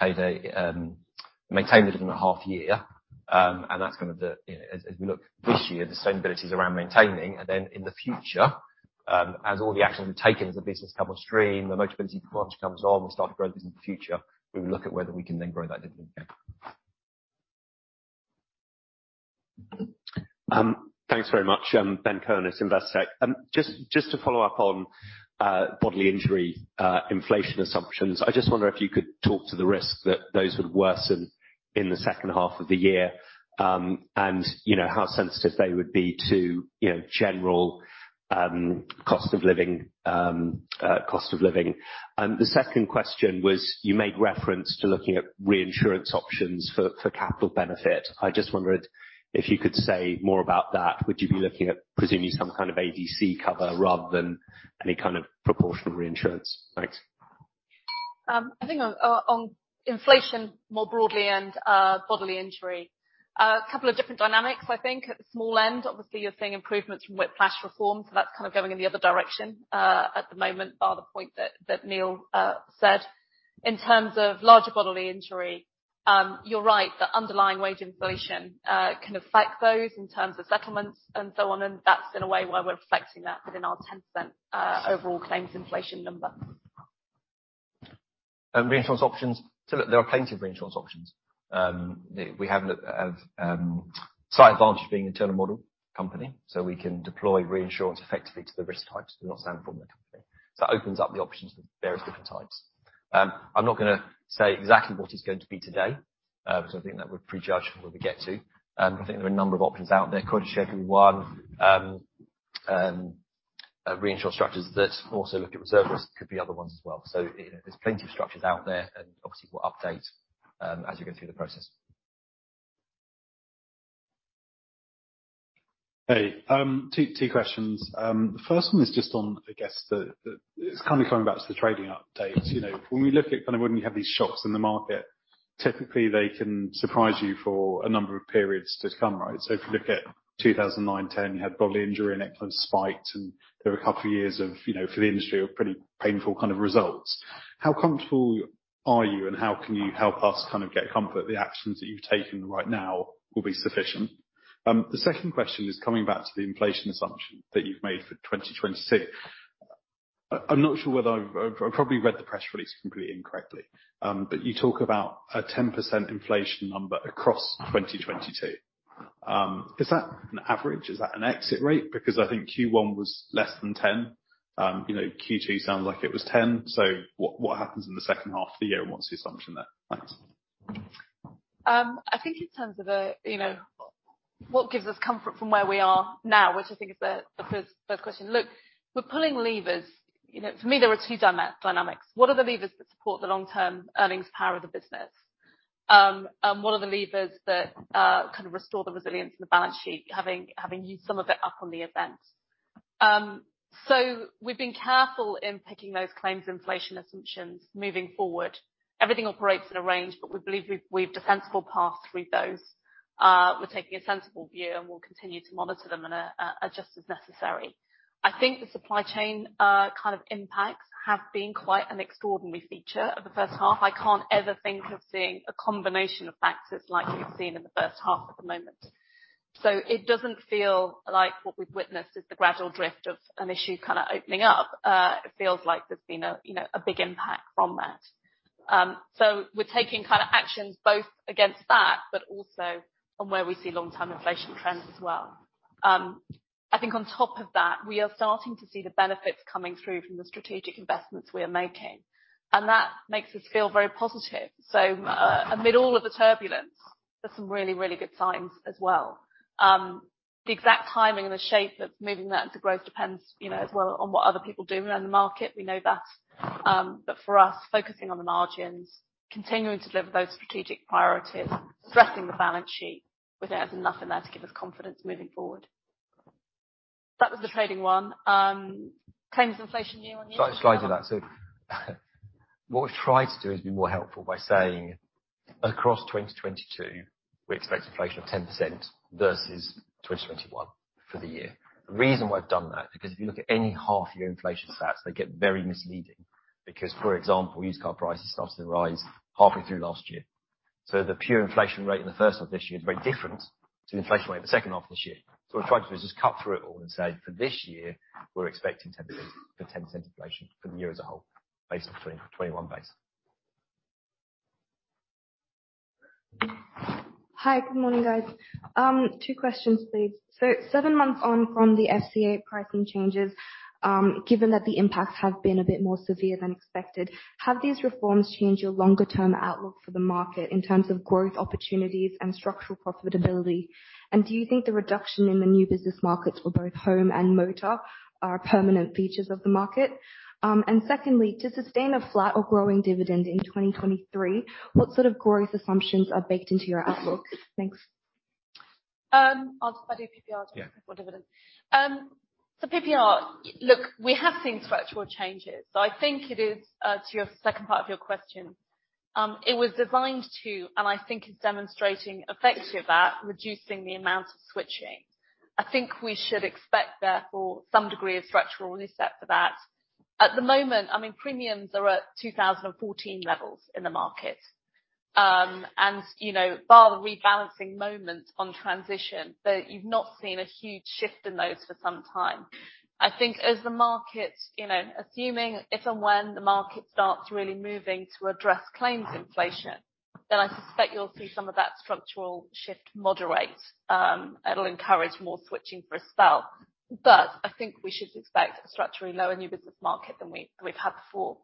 paid and maintained it in a half year. That's kind of the, you know, as we look this year, the sustainability is around maintaining. In the future, as all the actions we've taken, as the business come on stream, the Motability product comes on, we start to grow the business in the future, we will look at whether we can then grow that dividend again. Thanks very much. Ben Cohen, Investec. Just to follow up on bodily injury inflation assumptions. I just wonder if you could talk to the risk that those would worsen in the second half of the year. You know, how sensitive they would be to you know general cost of living. The second question was, you made reference to looking at reinsurance options for capital benefit. I just wondered if you could say more about that. Would you be looking at presumably some kind of ADC cover rather than any kind of proportional reinsurance? Thanks. I think on inflation more broadly and bodily injury, a couple of different dynamics, I think. At the small end, obviously you're seeing improvements from whiplash reform. That's kind of going in the other direction at the moment, bar the point that Neil said. In terms of larger bodily injury, you're right that underlying wage inflation can affect those in terms of settlements and so on, and that's in a way why we're reflecting that within our 10% overall claims inflation number. Reinsurance options. Look, there are plenty of reinsurance options. We have a look at the slight advantage of being internal model company, so we can deploy reinsurance effectively to the risk types and not standard from the company. It opens up the options for various different types. I'm not gonna say exactly what it's going to be today, 'cause I think that would prejudge what we get to. I think there are a number of options out there. Quota share is one. Reinsurance structures that also look at reserves could be other ones as well. You know, there's plenty of structures out there, and obviously we'll update as we go through the process. Hey, two questions. The first one is just on, I guess the. It's kind of coming back to the trading update. You know, when we look at kind of when you have these shocks in the market, typically they can surprise you for a number of periods to come, right? If you look at 2009, 2010, you had bodily injury and then spiked to healthy years of painful kind of results? How confident are you and how can you help us get to the answers you've taken right now will be sufficient? The second question is coming back to the inflation assumption that you've made from 2022. I'm not sure whether I probably read the press release quite frankly, but you've talked about a 10% inflation number across 2022. Is that an average, is that an exit rate because I think Q1 was less than 10%. Q2 sound like it was 10%. So what happens in the second half of the year? What's the assumption there? Thanks. I think in terms of, you know, what gives us comfort from where we are now, which I think is the first question. Look, we're pulling levers. You know, for me there are two dynamics. What are the levers that support the long-term earnings power of the business? And what are the levers that kind of restore the resilience in the balance sheet, having used some of it up on the event? We've been careful in picking those claims inflation assumptions moving forward. Everything operates in a range, but we believe we have a defensible path through those. We're taking a sensible view, and we'll continue to monitor them and adjust as necessary. I think the supply chain kind of impacts have been quite an extraordinary feature of the first half. I can't ever think of seeing a combination of factors like we've seen in the first half at the moment. It doesn't feel like what we've witnessed is the gradual drift of an issue kind of opening up. It feels like there's been, you know, a big impact from that. We're taking kind of actions both against that, but also on where we see long-term inflation trends as well. I think on top of that, we are starting to see the benefits coming through from the strategic investments we are making, and that makes us feel very positive. Amid all of the turbulence, there's some really, really good signs as well. The exact timing and the shape of moving that into growth depends, you know, as well on what other people do around the market. We know that. For us, focusing on the margins, continuing to deliver those strategic priorities, strengthening the balance sheet with it has enough in there to give us confidence moving forward. That was the trading one. Claims inflation new on you- Slide to that. What we've tried to do is be more helpful by saying, across 2022, we expect inflation of 10% versus 2021 for the year. The reason why I've done that, because if you look at any half year inflation stats, they get very misleading. For example, used car prices started to rise halfway through last year. The pure inflation rate in the first half of this year is very different to the inflation rate in the second half of this year. What we've tried to do is just cut through it all and say, "For this year, we're expecting 10%. For 10% inflation for the year as a whole based on 2021 base. Hi. Good morning, guys. Two questions, please. Seven months on from the FCA pricing changes, given that the impacts have been a bit more severe than expected, have these reforms changed your longer term outlook for the market in terms of growth opportunities and structural profitability? Do you think the reduction in the new business markets for both home and motor are permanent features of the market? Secondly, to sustain a flat or growing dividend in 2023, what sort of growth assumptions are baked into your outlook? Thanks. I'll start with PPR. Yeah. Before dividend. PPR. Look, we have seen structural changes. I think it is, to your second part of your question, it was designed to, and I think it's demonstrating effective at reducing the amount of switching. I think we should expect, therefore, some degree of structural reset for that. At the moment, I mean, premiums are at 2014 levels in the market. You know, bar the rebalancing moment on transition, but you've not seen a huge shift in those for some time. I think as the market, you know, assuming if and when the market starts really moving to address claims inflation, then I suspect you'll see some of that structural shift moderate. It'll encourage more switching for a spell. I think we should expect a structurally lower new business market than we've had before.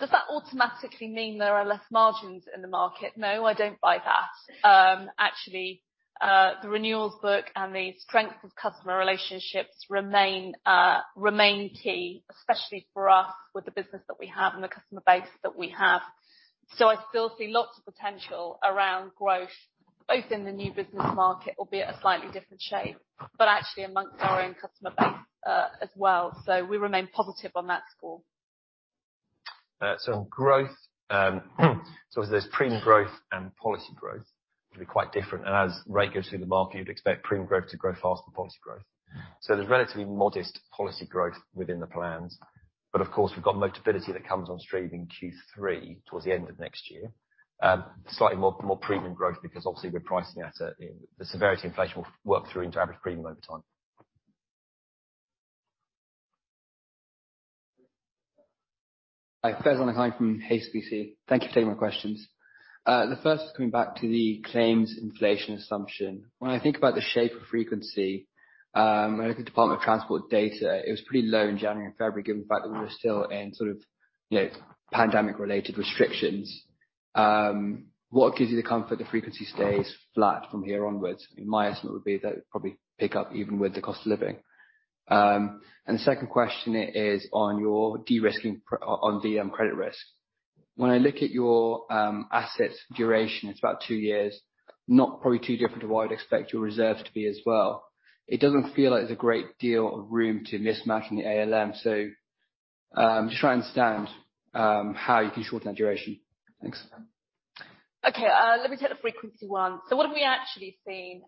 Does that automatically mean there are less margins in the market? No, I don't buy that. Actually, the renewals book and the strength of customer relationships remain key, especially for us with the business that we have and the customer base that we have. I still see lots of potential around growth, both in the new business market, albeit a slightly different shape, but actually among our own customer base, as well. We remain positive on that score. Growth. There's premium growth and policy growth. Can be quite different. As rate goes through the market, you'd expect premium growth to grow faster than policy growth. There's relatively modest policy growth within the plans. Of course, we've got Motability that comes on stream in Q3, towards the end of next year. Slightly more premium growth because obviously we're pricing at a, you know, the severity inflation will work through into average premium over time. Hi, Faizan Lakhani from HSBC. Thank you for taking my questions. The first is coming back to the claims inflation assumption. When I think about the shape of frequency, when I look at Department for Transport data, it was pretty low in January and February, given the fact that we were still in sort of, you know, pandemic-related restrictions. What gives you the comfort the frequency stays flat from here onwards? My estimate would be that it'd probably pick up even with the cost of living. The second question is on the credit risk. When I look at your assets duration, it's about two years, not probably too different to what I'd expect your reserve to be as well. It doesn't feel like there's a great deal of room to mismatch in the ALM. Just trying to understand how you can shorten that duration. Thanks. Okay. Let me take the frequency one. What have we actually seen?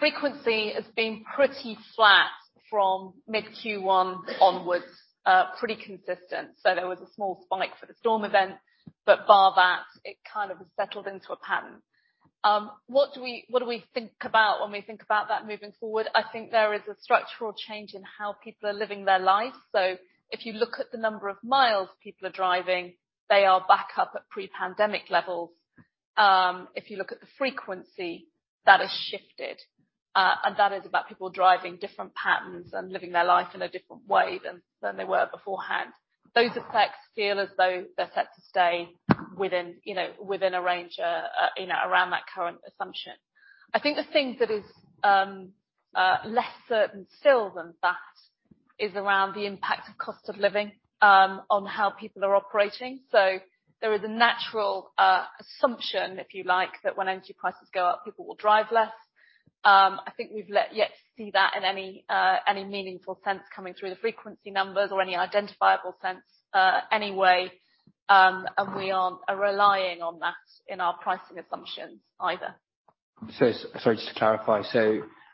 Frequency has been pretty flat from mid-Q1 onwards, pretty consistent. There was a small spike for the storm event, but bar that, it kind of has settled into a pattern. What do we think about when we think about that moving forward? I think there is a structural change in how people are living their lives. If you look at the number of miles people are driving, they are back up at pre-pandemic levels. If you look at the frequency, that has shifted. That is about people driving different patterns and living their life in a different way than they were beforehand. Those effects feel as though they're set to stay within, you know, within a range, you know, around that current assumption. I think the thing that is less certain still than that is around the impact of cost of living on how people are operating. There is a natural assumption, if you like, that when energy prices go up, people will drive less. I think we've yet to see that in any meaningful sense coming through the frequency numbers or any identifiable sense anyway, and we aren't relying on that in our pricing assumptions either. Sorry, just to clarify.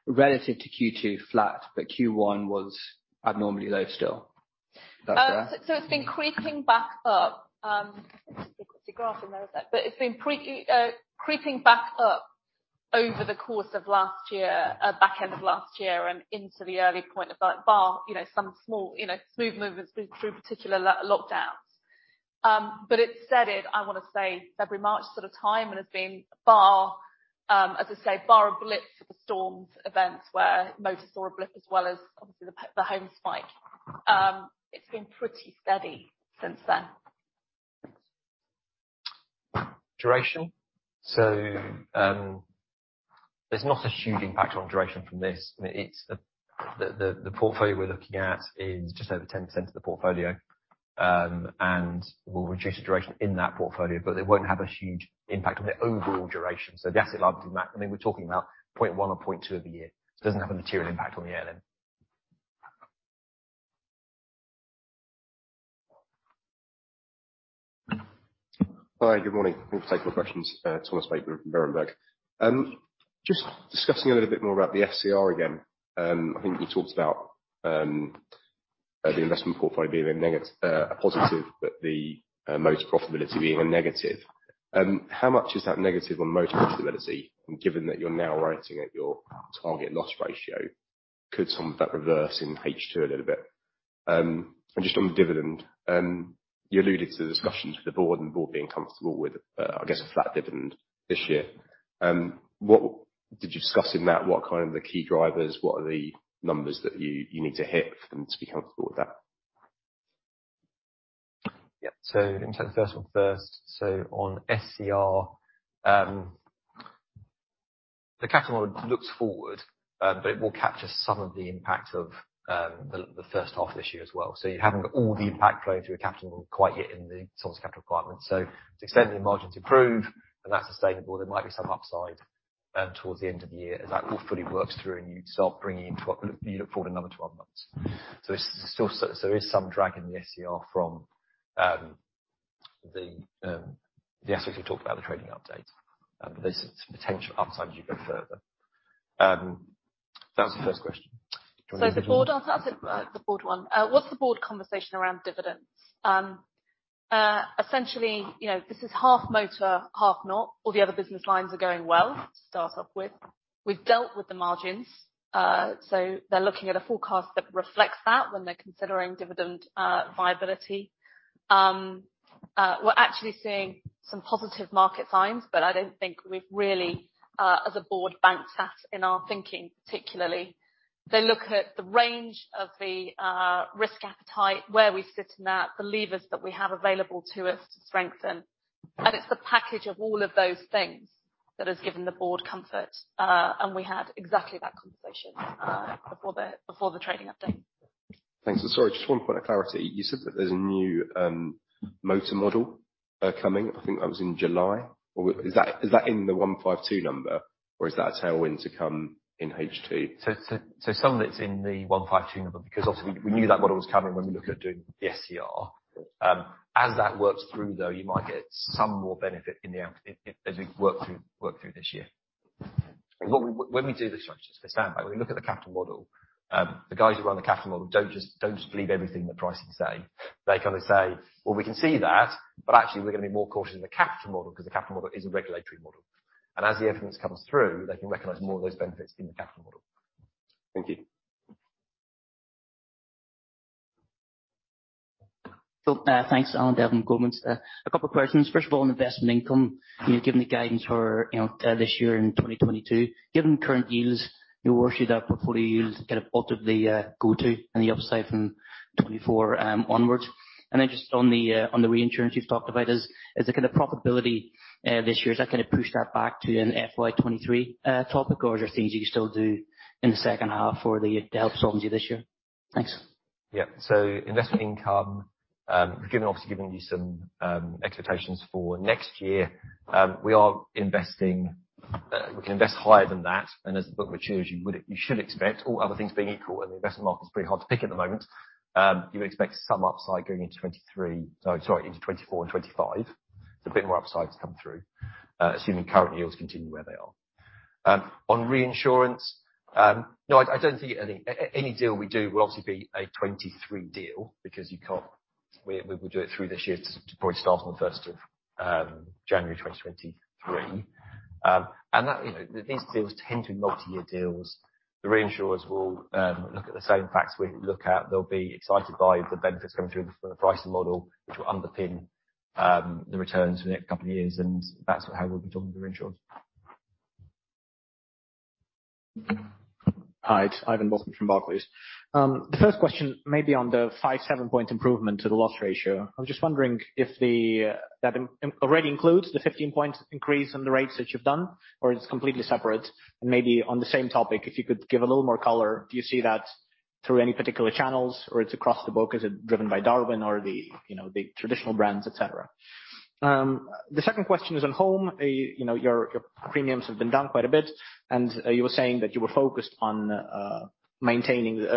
Relative to Q2 flat, but Q1 was abnormally low still? Is that fair? It's been creeping back up. There's a graph in there, is there? It's been creeping back up over the course of last year, back end of last year and into the early part of lockdown, you know, some small, you know, smooth movements through particular lockdowns. It settled in, I wanna say February, March sort of time, and has been barring, as I say, barring a blip for the storm events where motor saw a blip as well as obviously the home spike. It's been pretty steady since then. Duration. There's not a huge impact on duration from this. I mean, it's the portfolio we're looking at is just over 10% of the portfolio. And we'll reduce the duration in that portfolio, but it won't have a huge impact on the overall duration. The asset liability match, I mean, we're talking about 0.1 or 0.2 of a year. It doesn't have a material impact on the ALM. Hi, good morning. Thanks for taking my questions. Thomas Bateman from Berenberg. Just discussing a little bit more about the SCR again. I think you talked about the investment portfolio being a positive, but the motor profitability being a negative. How much is that negative on motor profitability, and given that you're now writing at your target loss ratio, could some of that reverse in H2 a little bit? Just on the dividend, you alluded to the discussions with the board and the board being comfortable with, I guess, a flat dividend this year. Did you discuss in that? What are kind of the key drivers? What are the numbers that you need to hit for them to be comfortable with that? Yeah. Let me take the first one first. On SCR, the capital model looks forward, but it will capture some of the impact of the first half of this year as well. You haven't got all the impact flowing through the capital model quite yet in the Solvency Capital Requirement. To the extent the margins improve, and that's sustainable, there might be some upside toward the end of the year as that all fully works through and you start bringing into what you look forward another 12 months. It's still, so there is some drag in the SCR from the aspects we talked about in the trading update. There's potential upside as you go further. That was the first question. Do you wanna do the second one? The board, I'll take the board one. What's the board conversation around dividends? Essentially, you know, this is half motor, half not. All the other business lines are going well to start off with. We've dealt with the margins, so they're looking at a forecast that reflects that when they're considering dividend viability. We're actually seeing some positive market signs, but I don't think we've really, as a board, we've sat in our thinking particularly. They look at the range of the risk appetite, where we sit in that, the levers that we have available to us to strengthen, and it's the package of all of those things that has given the board comfort, and we had exactly that conversation before the trading update. Thanks. Sorry, just one point of clarity. You said that there's a new motor model coming. I think that was in July. Is that in the 152 number or is that a tailwind to come in H2? Some of it's in the 152% number because obviously we knew that model was coming when we look at doing the SCR. As that works through though, you might get some more benefit in the out years as we work through this year. When we do this, right, just to stand back, when we look at the capital model, the guys who run the capital model don't just believe everything the pricing say. They kind of say, "Well, we can see that, but actually we're gonna be more cautious in the capital model 'cause the capital model is a regulatory model." As the evidence comes through, they can recognize more of those benefits in the capital model. Thank you. Thanks, Alan Devlin, Goldman Sachs. A couple questions. First of all, on investment income, you know, given the guidance for, you know, this year in 2022, given current yields, you're worried that portfolio yields kind of altered the go forward and the upside from 2024 onwards. Just on the reinsurance you've talked about, is the kind of profitability this year has that kind of pushed that back to an FY 2023 topic or are there things you can still do in the second half or to help solvency this year? Thanks. Yeah. Investment income, we've obviously given you some expectations for next year. We are investing, we can invest higher than that, and as the book matures, you should expect all other things being equal, and the investment market's pretty hard to pick at the moment, you would expect some upside going into 2023. No, sorry, into 2024 and 2025. There's a bit more upside to come through, assuming current yields continue where they are. On reinsurance, no, I don't think any deal we do will obviously be a 2023 deal because you can't. We will do it through this year to probably start on the first of January 2023. That, you know, these deals tend to be multi-year deals. The reinsurers will look at the same facts we look at. They'll be excited by the benefits coming through from the pricing model which will underpin the returns for the next couple of years, and that's how we'll be talking to the reinsurers. Hi, it's Ivan Bokhmat from Barclays. The first question may be on the five to seven-point improvement to the loss ratio. I'm just wondering if that improvement already includes the 15-point increase on the rates that you've done or it's completely separate? Maybe on the same topic, if you could give a little more color, do you see that through any particular channels or it's across the book? Is it driven by Darwin or the, you know, the traditional brands, et cetera? The second question is on home. You know, your premiums have been down quite a bit and you were saying that you were focused on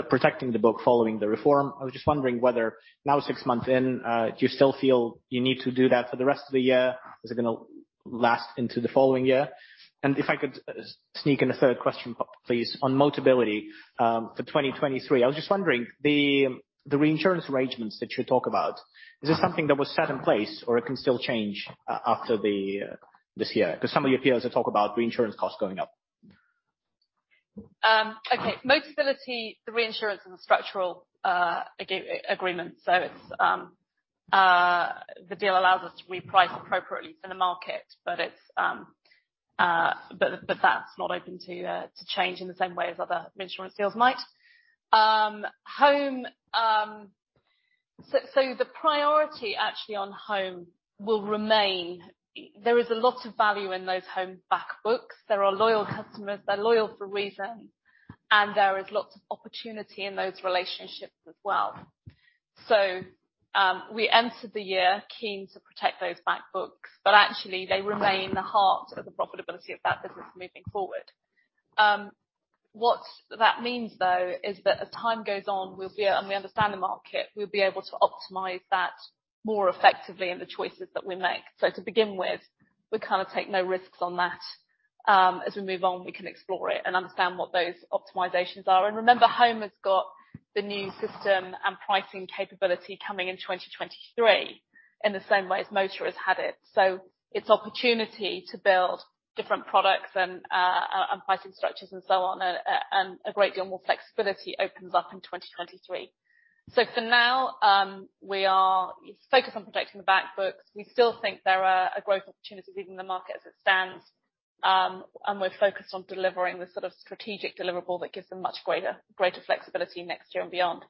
protecting the book following the reform. I was just wondering whether now six months in, do you still feel you need to do that for the rest of the year? Is it gonna last into the following year? If I could sneak in a third question, please, on Motability, for 2023. I was just wondering, the reinsurance arrangements that you talk about, is this something that was set in place or it can still change after the, this year? 'Cause some of your peers have talked about reinsurance costs going up? Okay. Motability, the reinsurance and the structural agreement. The deal allows us to reprice appropriately for the market, but that's not open to change in the same way as other insurance deals might. Home, the priority actually on home will remain. There is a lot of value in those home back books. There are loyal customers. They're loyal for a reason, and there is lots of opportunity in those relationships as well. We entered the year keen to protect those back books, but actually they remain the heart of the profitability of that business moving forward. What that means though is that as time goes on, and we understand the market, we'll be able to optimize that more effectively in the choices that we make. To begin with, we kind of take no risks on that. As we move on, we can explore it and understand what those optimizations are. Remember, home has got the new system and pricing capability coming in 2023 in the same way as motor has had it. It's opportunity to build different products and pricing structures and so on, and a great deal more flexibility opens up in 2023. For now, we are focused on protecting the back books. We still think there are a growth opportunity within the market as it stands. We're focused on delivering the sort of strategic deliverable that gives them much greater flexibility next year and beyond.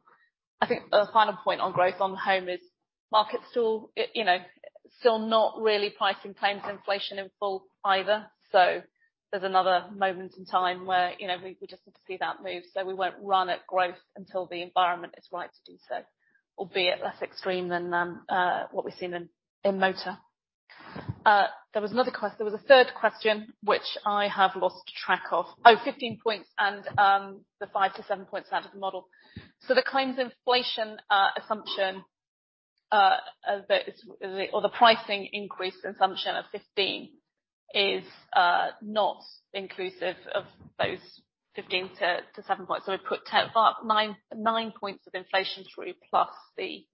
I think a final point on growth on home is market's still, you know, still not really pricing claims inflation in full either. There's another moment in time where, you know, we just need to see that move, so we won't run at growth until the environment is right to do so, albeit less extreme than what we've seen in motor. There was a third question, which I have lost track of. Oh, 15 points and the five to seven points out of the model. The claims inflation assumption or the pricing increase assumption of 15 is not inclusive of thos five to seven points. We put 10, about nine points of inflation through, plus the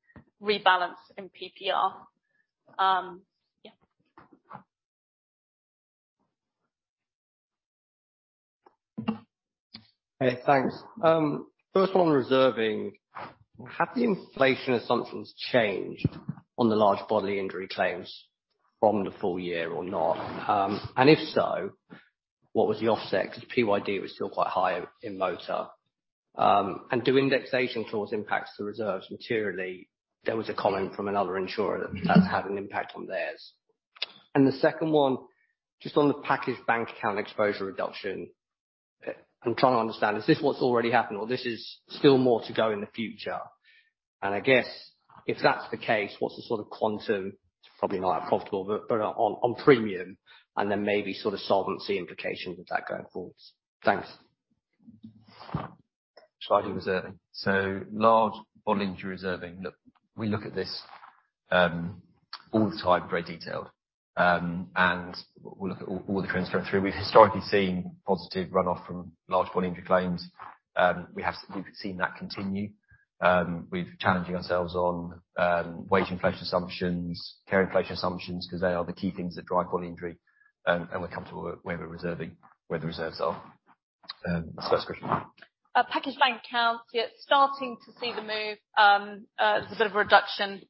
rebalance in PPR. Yeah. Okay, thanks. First one, reserving. Have the inflation assumptions changed on the large bodily injury claims from the full year or not? If so, what was the offset? 'Cause PYD was still quite high in motor. Do indexation clause impact the reserves materially? There was a comment from another insurer that that's had an impact on theirs. The second one, just on the package bank account exposure reduction, I'm trying to understand, is this what's already happened or this is still more to go in the future? I guess if that's the case, what's the sort of quantum, it's probably not profitable, but on premium, and then maybe sort of solvency implications of that going forwards. Thanks. Shall I do reserving? Large bodily injury reserving. Look, we look at this all the time in great detail. We look at all the trends going through. We've historically seen positive runoff from large bodily injury claims. We've seen that continue. We're challenging ourselves on wage inflation assumptions, care inflation assumptions, 'cause they are the key things that drive bodily injury, and we're comfortable with where we're reserving, where the reserves are. That's the first question. Packaged bank accounts. Yeah, starting to see the move. There's a bit of a reduction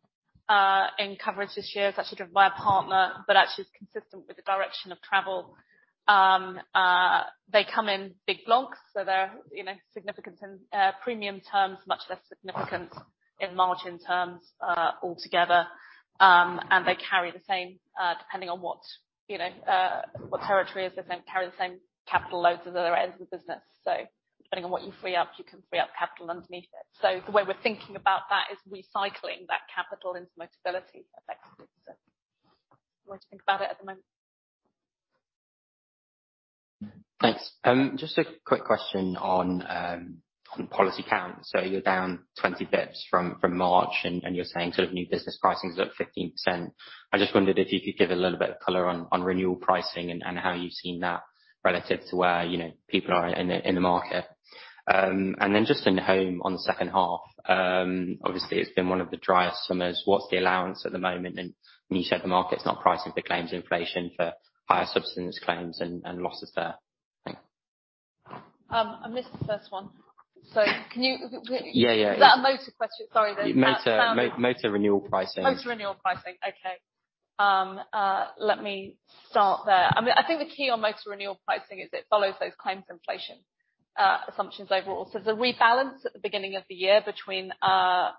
in coverage this year. It's actually driven by a partner, but actually is consistent with the direction of travel. They come in big blocks, so they're, you know, significant in premium terms, much less significant in margin terms, altogether. They carry the same, depending on what, you know, what territory as the same, carry the same capital loads as other areas of the business. Depending on what you free up, you can free up capital underneath it. The way we're thinking about that is recycling that capital into Motability affects it. The way to think about it at the moment. Thanks. Just a quick question on policy count. So you're down 20 basis points from March and you're saying sort of new business pricing is up 15%. I just wondered if you could give a little bit of color on renewal pricing and how you've seen that relative to where, you know, people are in the market. And then just in home on the second half, obviously it's been one of the driest summers. What's the allowance at the moment? And when you said the market's not pricing for claims inflation for higher subsidence claims and losses there? Thanks. I missed the first one. Yeah, yeah. Is that a motor question? Sorry then. Motor renewal pricing. Motor renewal pricing. Okay. Let me start there. I mean, I think the key on motor renewal pricing is it follows those claims inflation assumptions overall. The rebalance at the beginning of the year under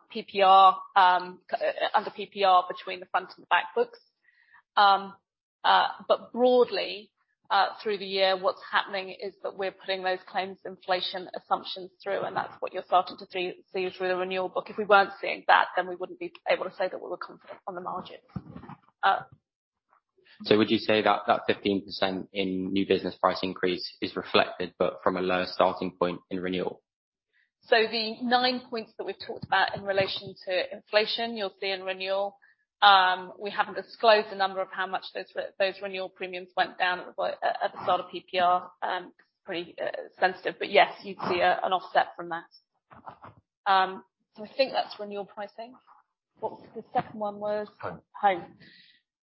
PPR between the front and the back books. Broadly, through the year, what's happening is that we're putting those claims inflation assumptions through, and that's what you're starting to see through the renewal book. If we weren't seeing that, then we wouldn't be able to say that we were confident on the margins. Would you say that 15% in new business price increase is reflected but from a lower starting point in renewal? The nine points that we've talked about in relation to inflation, you'll see in renewal. We haven't disclosed the number of how much those renewal premiums went down at the start of PPR, 'cause pretty sensitive, but yes, you'd see an offset from that. I think that's renewal pricing. What the second one was? Home.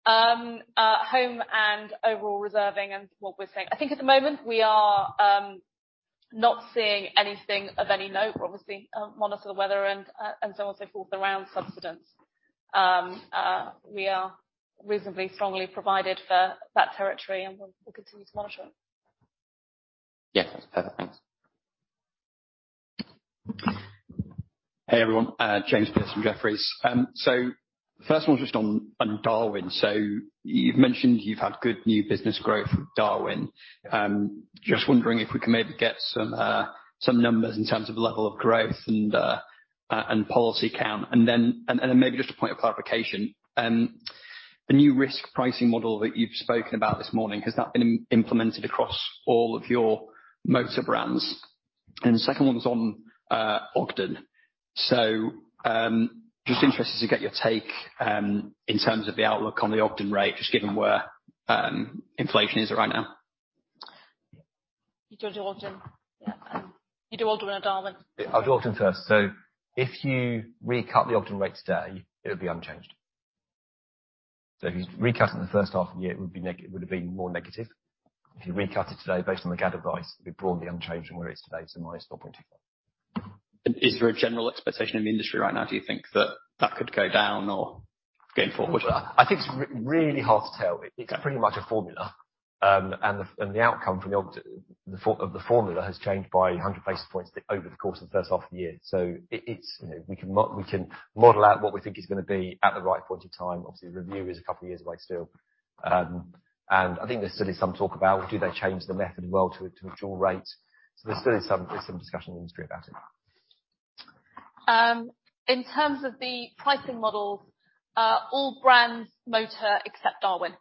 Home and overall reserving and what we're saying. I think at the moment, we are not seeing anything of any note. We're obviously monitoring the weather and so on and so forth around subsidence. We are reasonably strongly provided for that territory, and we'll continue to monitor it. Yeah. Perfect. Thanks. Hey, everyone. Jonathan Pierce from Jefferies. First one's just on Darwin. You've mentioned you've had good new business growth with Darwin. Just wondering if we can maybe get some numbers in terms of level of growth and policy count. Then maybe just a point of clarification. The new risk pricing model that you've spoken about this morning, has that been implemented across all of your motor brands? The second one's on Ogden. Just interested to get your take in terms of the outlook on the Ogden rate, just given where inflation is at right now. You do want to do Ogden? Yeah. You do Ogden or Darwin? I'll do Ogden first. If you recut the Ogden rate today, it would be unchanged. If you recut in the first half of the year, it would have been more negative. If you recut it today based on the GAD advice, it'd be broadly unchanged from where it is today. Minus 4.25%. Is there a general expectation in the industry right now, do you think, that that could go down or going forward? I think it's really hard to tell. Okay. It's pretty much a formula. The outcome from the Ogden forecast of the formula has changed by 100 basis points over the course of the first half of the year. It's, you know, we can model out what we think is gonna be at the right point in time. Obviously, the review is a couple of years away still. I think there's still some talk about do they change the method as well to actual rate. There's some discussion in the industry about it. In terms of the pricing models, all brands motor except Darwin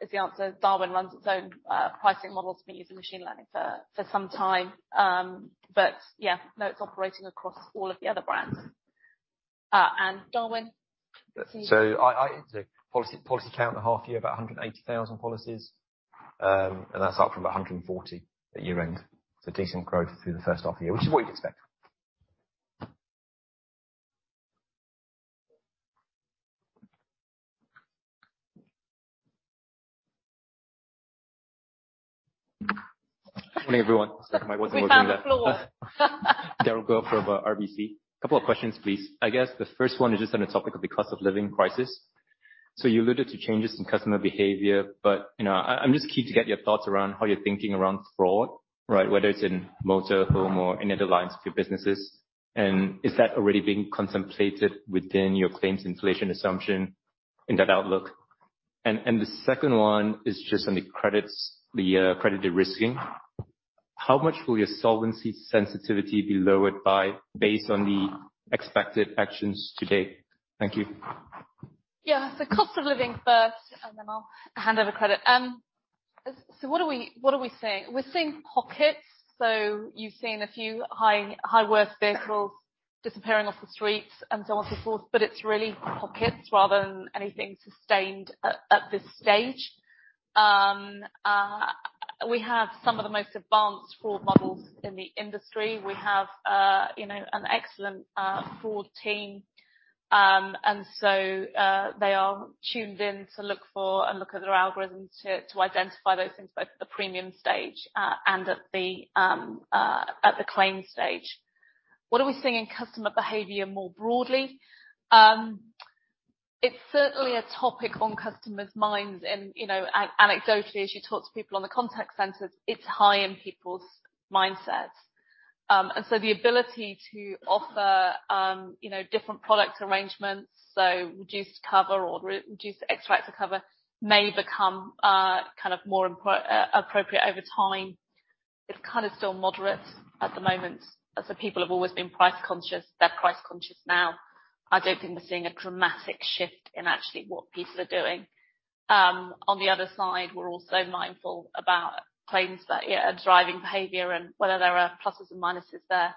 is the answer. Darwin runs its own pricing models. We've been using machine learning for some time. Yeah. No, it's operating across all of the other brands. Darwin, can you- The policy count in the half year about 180,000 policies. That's up from 140 at year-end. Decent growth through the first half year, which is what you'd expect. Morning, everyone. Sorry, my voice isn't working today. We found the floor. Derald Goh from RBC. Couple of questions, please. I guess the first one is just on the topic of the cost of living crisis. You alluded to changes in customer behavior, but, you know, I'm just keen to get your thoughts around how you're thinking around fraud, right? Whether it's in motor, home or in other lines of your businesses. Is that already being contemplated within your claims inflation assumption in that outlook? The second one is just on the credits, the credit de-risking. How much will your solvency sensitivity be lowered by based on the expected actions to date? Thank you. Yeah. Cost of living first, and then I'll hand over credit. What are we seeing? We're seeing pockets. You've seen a few high worth vehicles disappearing off the streets and so on, so forth, but it's really pockets rather than anything sustained at this stage. We have some of the most advanced fraud models in the industry. We have, you know, an excellent fraud team. They are tuned in to look for and look at their algorithms to identify those things both at the premium stage and at the claim stage. What are we seeing in customer behavior more broadly? It's certainly a topic on customers' minds and, you know, anecdotally, as you talk to people on the contact centers, it's high in people's mindsets. The ability to offer, you know, different products arrangements, so reduced cover or reduced excess cover may become kind of more appropriate over time. It's kind of still moderate at the moment as the people have always been price conscious. They're price conscious now. I don't think we're seeing a dramatic shift in actually what people are doing. On the other side, we're also mindful about claims that, yeah, are driving behavior and whether there are pluses and minuses there.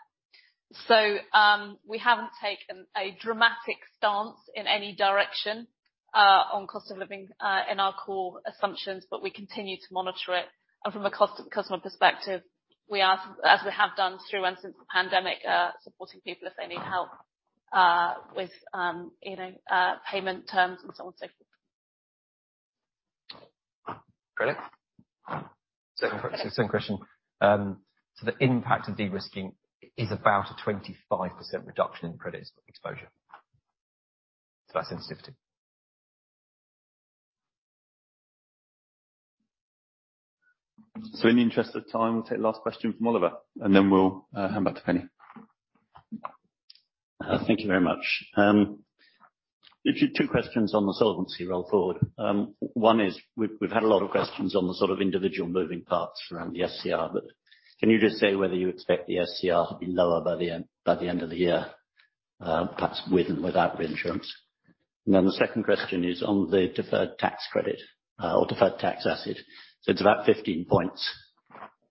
We haven't taken a dramatic stance in any direction, on cost of living, in our core assumptions, but we continue to monitor it. From a customer perspective, we are, as we have done through and since the pandemic, supporting people if they need help with, you know, payment terms and so on and so forth. Credit? Second question. The impact of de-risking is about a 25% reduction in credit exposure. That's sensitivity. In the interest of time, we'll take the last question from Oliver, and then we'll hand back to Penny. Thank you very much. Just two questions on the solvency roll forward. One is, we've had a lot of questions on the sort of individual moving parts around the SCR, but can you just say whether you expect the SCR to be lower by the end of the year, perhaps with and without reinsurance? And then the second question is on the deferred tax credit, or deferred tax asset. It's about 15 points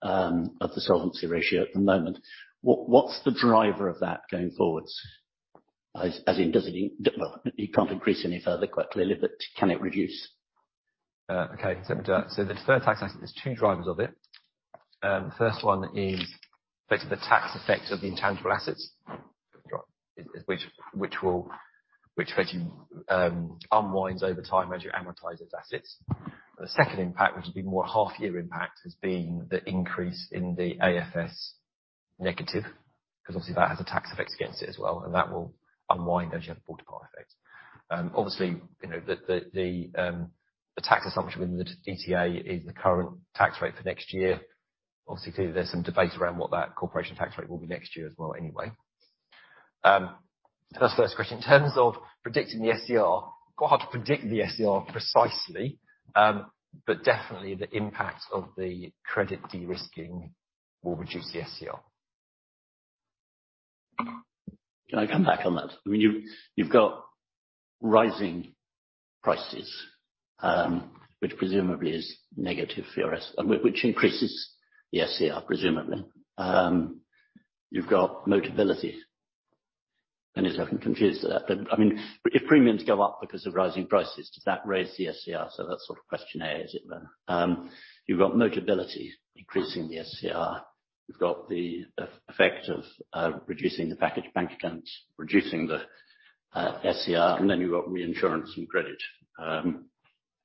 of the solvency ratio at the moment. What's the driver of that going forwards? As in, well, it can't increase any further, quite clearly, but can it reduce? Okay. The deferred tax, there's two drivers of it. The first one is basically the tax effect of the intangible assets, which virtually unwinds over time as you amortize those assets. The second impact, which will be more half-year impact, is being the increase in the AFS negative, 'cause obviously that has a tax effect against it as well, and that will unwind as you have a border part effect. Obviously, the tax assumption within the DTA is the current tax rate for next year. Clearly there's some debate around what that corporation tax rate will be next year as well anyway. That's the first question. In terms of predicting the SCR, quite hard to predict the SCR precisely, but definitely the impact of the credit de-risking will reduce the SCR. Can I come back on that? I mean, you've got rising prices, which presumably is negative for your SCR, which increases the SCR, presumably. You've got Motability. Many of us are confused as to that, but I mean, if premiums go up because of rising prices, does that raise the SCR? So that's sort of question A, is it then. You've got Motability increasing the SCR. You've got the effect of reducing the package bank accounts, reducing the SCR, and then you've got reinsurance and credit,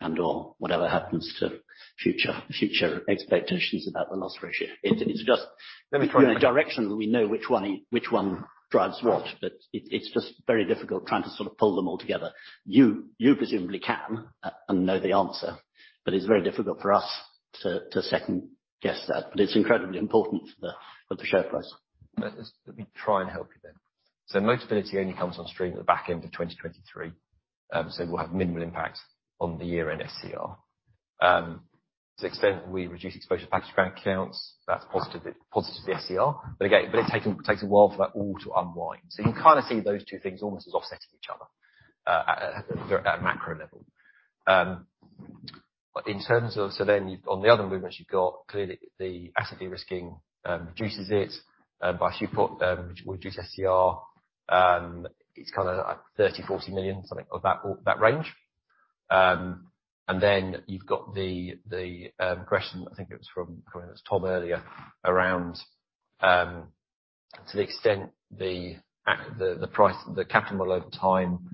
and/or whatever happens to future expectations about the loss ratio. It's just. Let me try and- In a direction, we know which one drives what, but it's just very difficult trying to sort of pull them all together. You presumably can and know the answer, but it's very difficult for us to second guess that. It's incredibly important for the share price. Let me try and help you then. Motability only comes on stream at the back end of 2023, so we'll have minimal impact on the year-end SCR. To the extent we reduce exposure to package bank accounts, that's positive to the SCR. But again, it takes a while for that all to unwind. You kind of see those two things almost as offsetting each other at macro level. Then you've on the other movements, you've got clearly the asset de-risking reduces it by 2%, which will reduce SCR. It's kinda like 30 million-40 million, something of that or that range. You've got the question, I think it was from Thomas earlier, around to the extent the price, the capital over time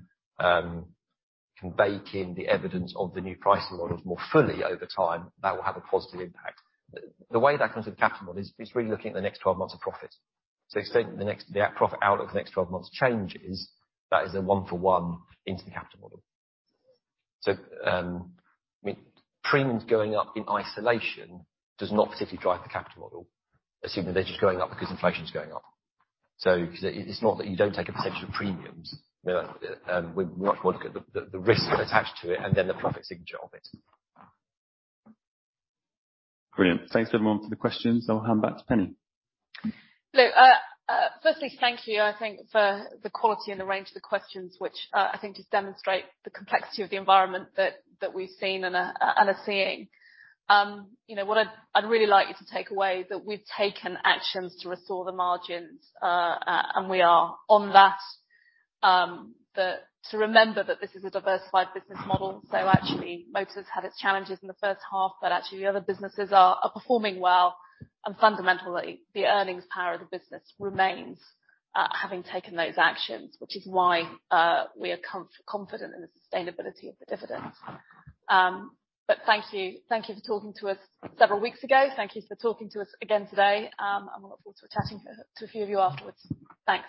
can bake in the evidence of the new pricing model more fully over time, that will have a positive impact. The way that comes with the capital model is really looking at the next 12 months of profits. To the extent the profit out of the next 12 months changes, that is a one for one into the capital model. I mean, premiums going up in isolation does not specifically drive the capital model. Assume that they're just going up because inflation is going up. It's not that you don't take a potential premiums, we much more look at the risks attached to it and then the profit signature of it. Brilliant. Thanks everyone for the questions. I'll hand back to Penny. Hello. Firstly, thank you, I think for the quality and the range of the questions, which, I think just demonstrate the complexity of the environment that we've seen and are seeing. You know, what I'd really like you to take away, that we've taken actions to restore the margins, and we are on that. To remember that this is a diversified business model, so actually Motors had its challenges in the first half, but actually the other businesses are performing well. Fundamentally, the earnings power of the business remains, having taken those actions, which is why we are confident in the sustainability of the dividend. Thank you. Thank you for talking to us several weeks ago. Thank you for talking to us again today. We look forward to chatting to a few of you afterwards. Thanks.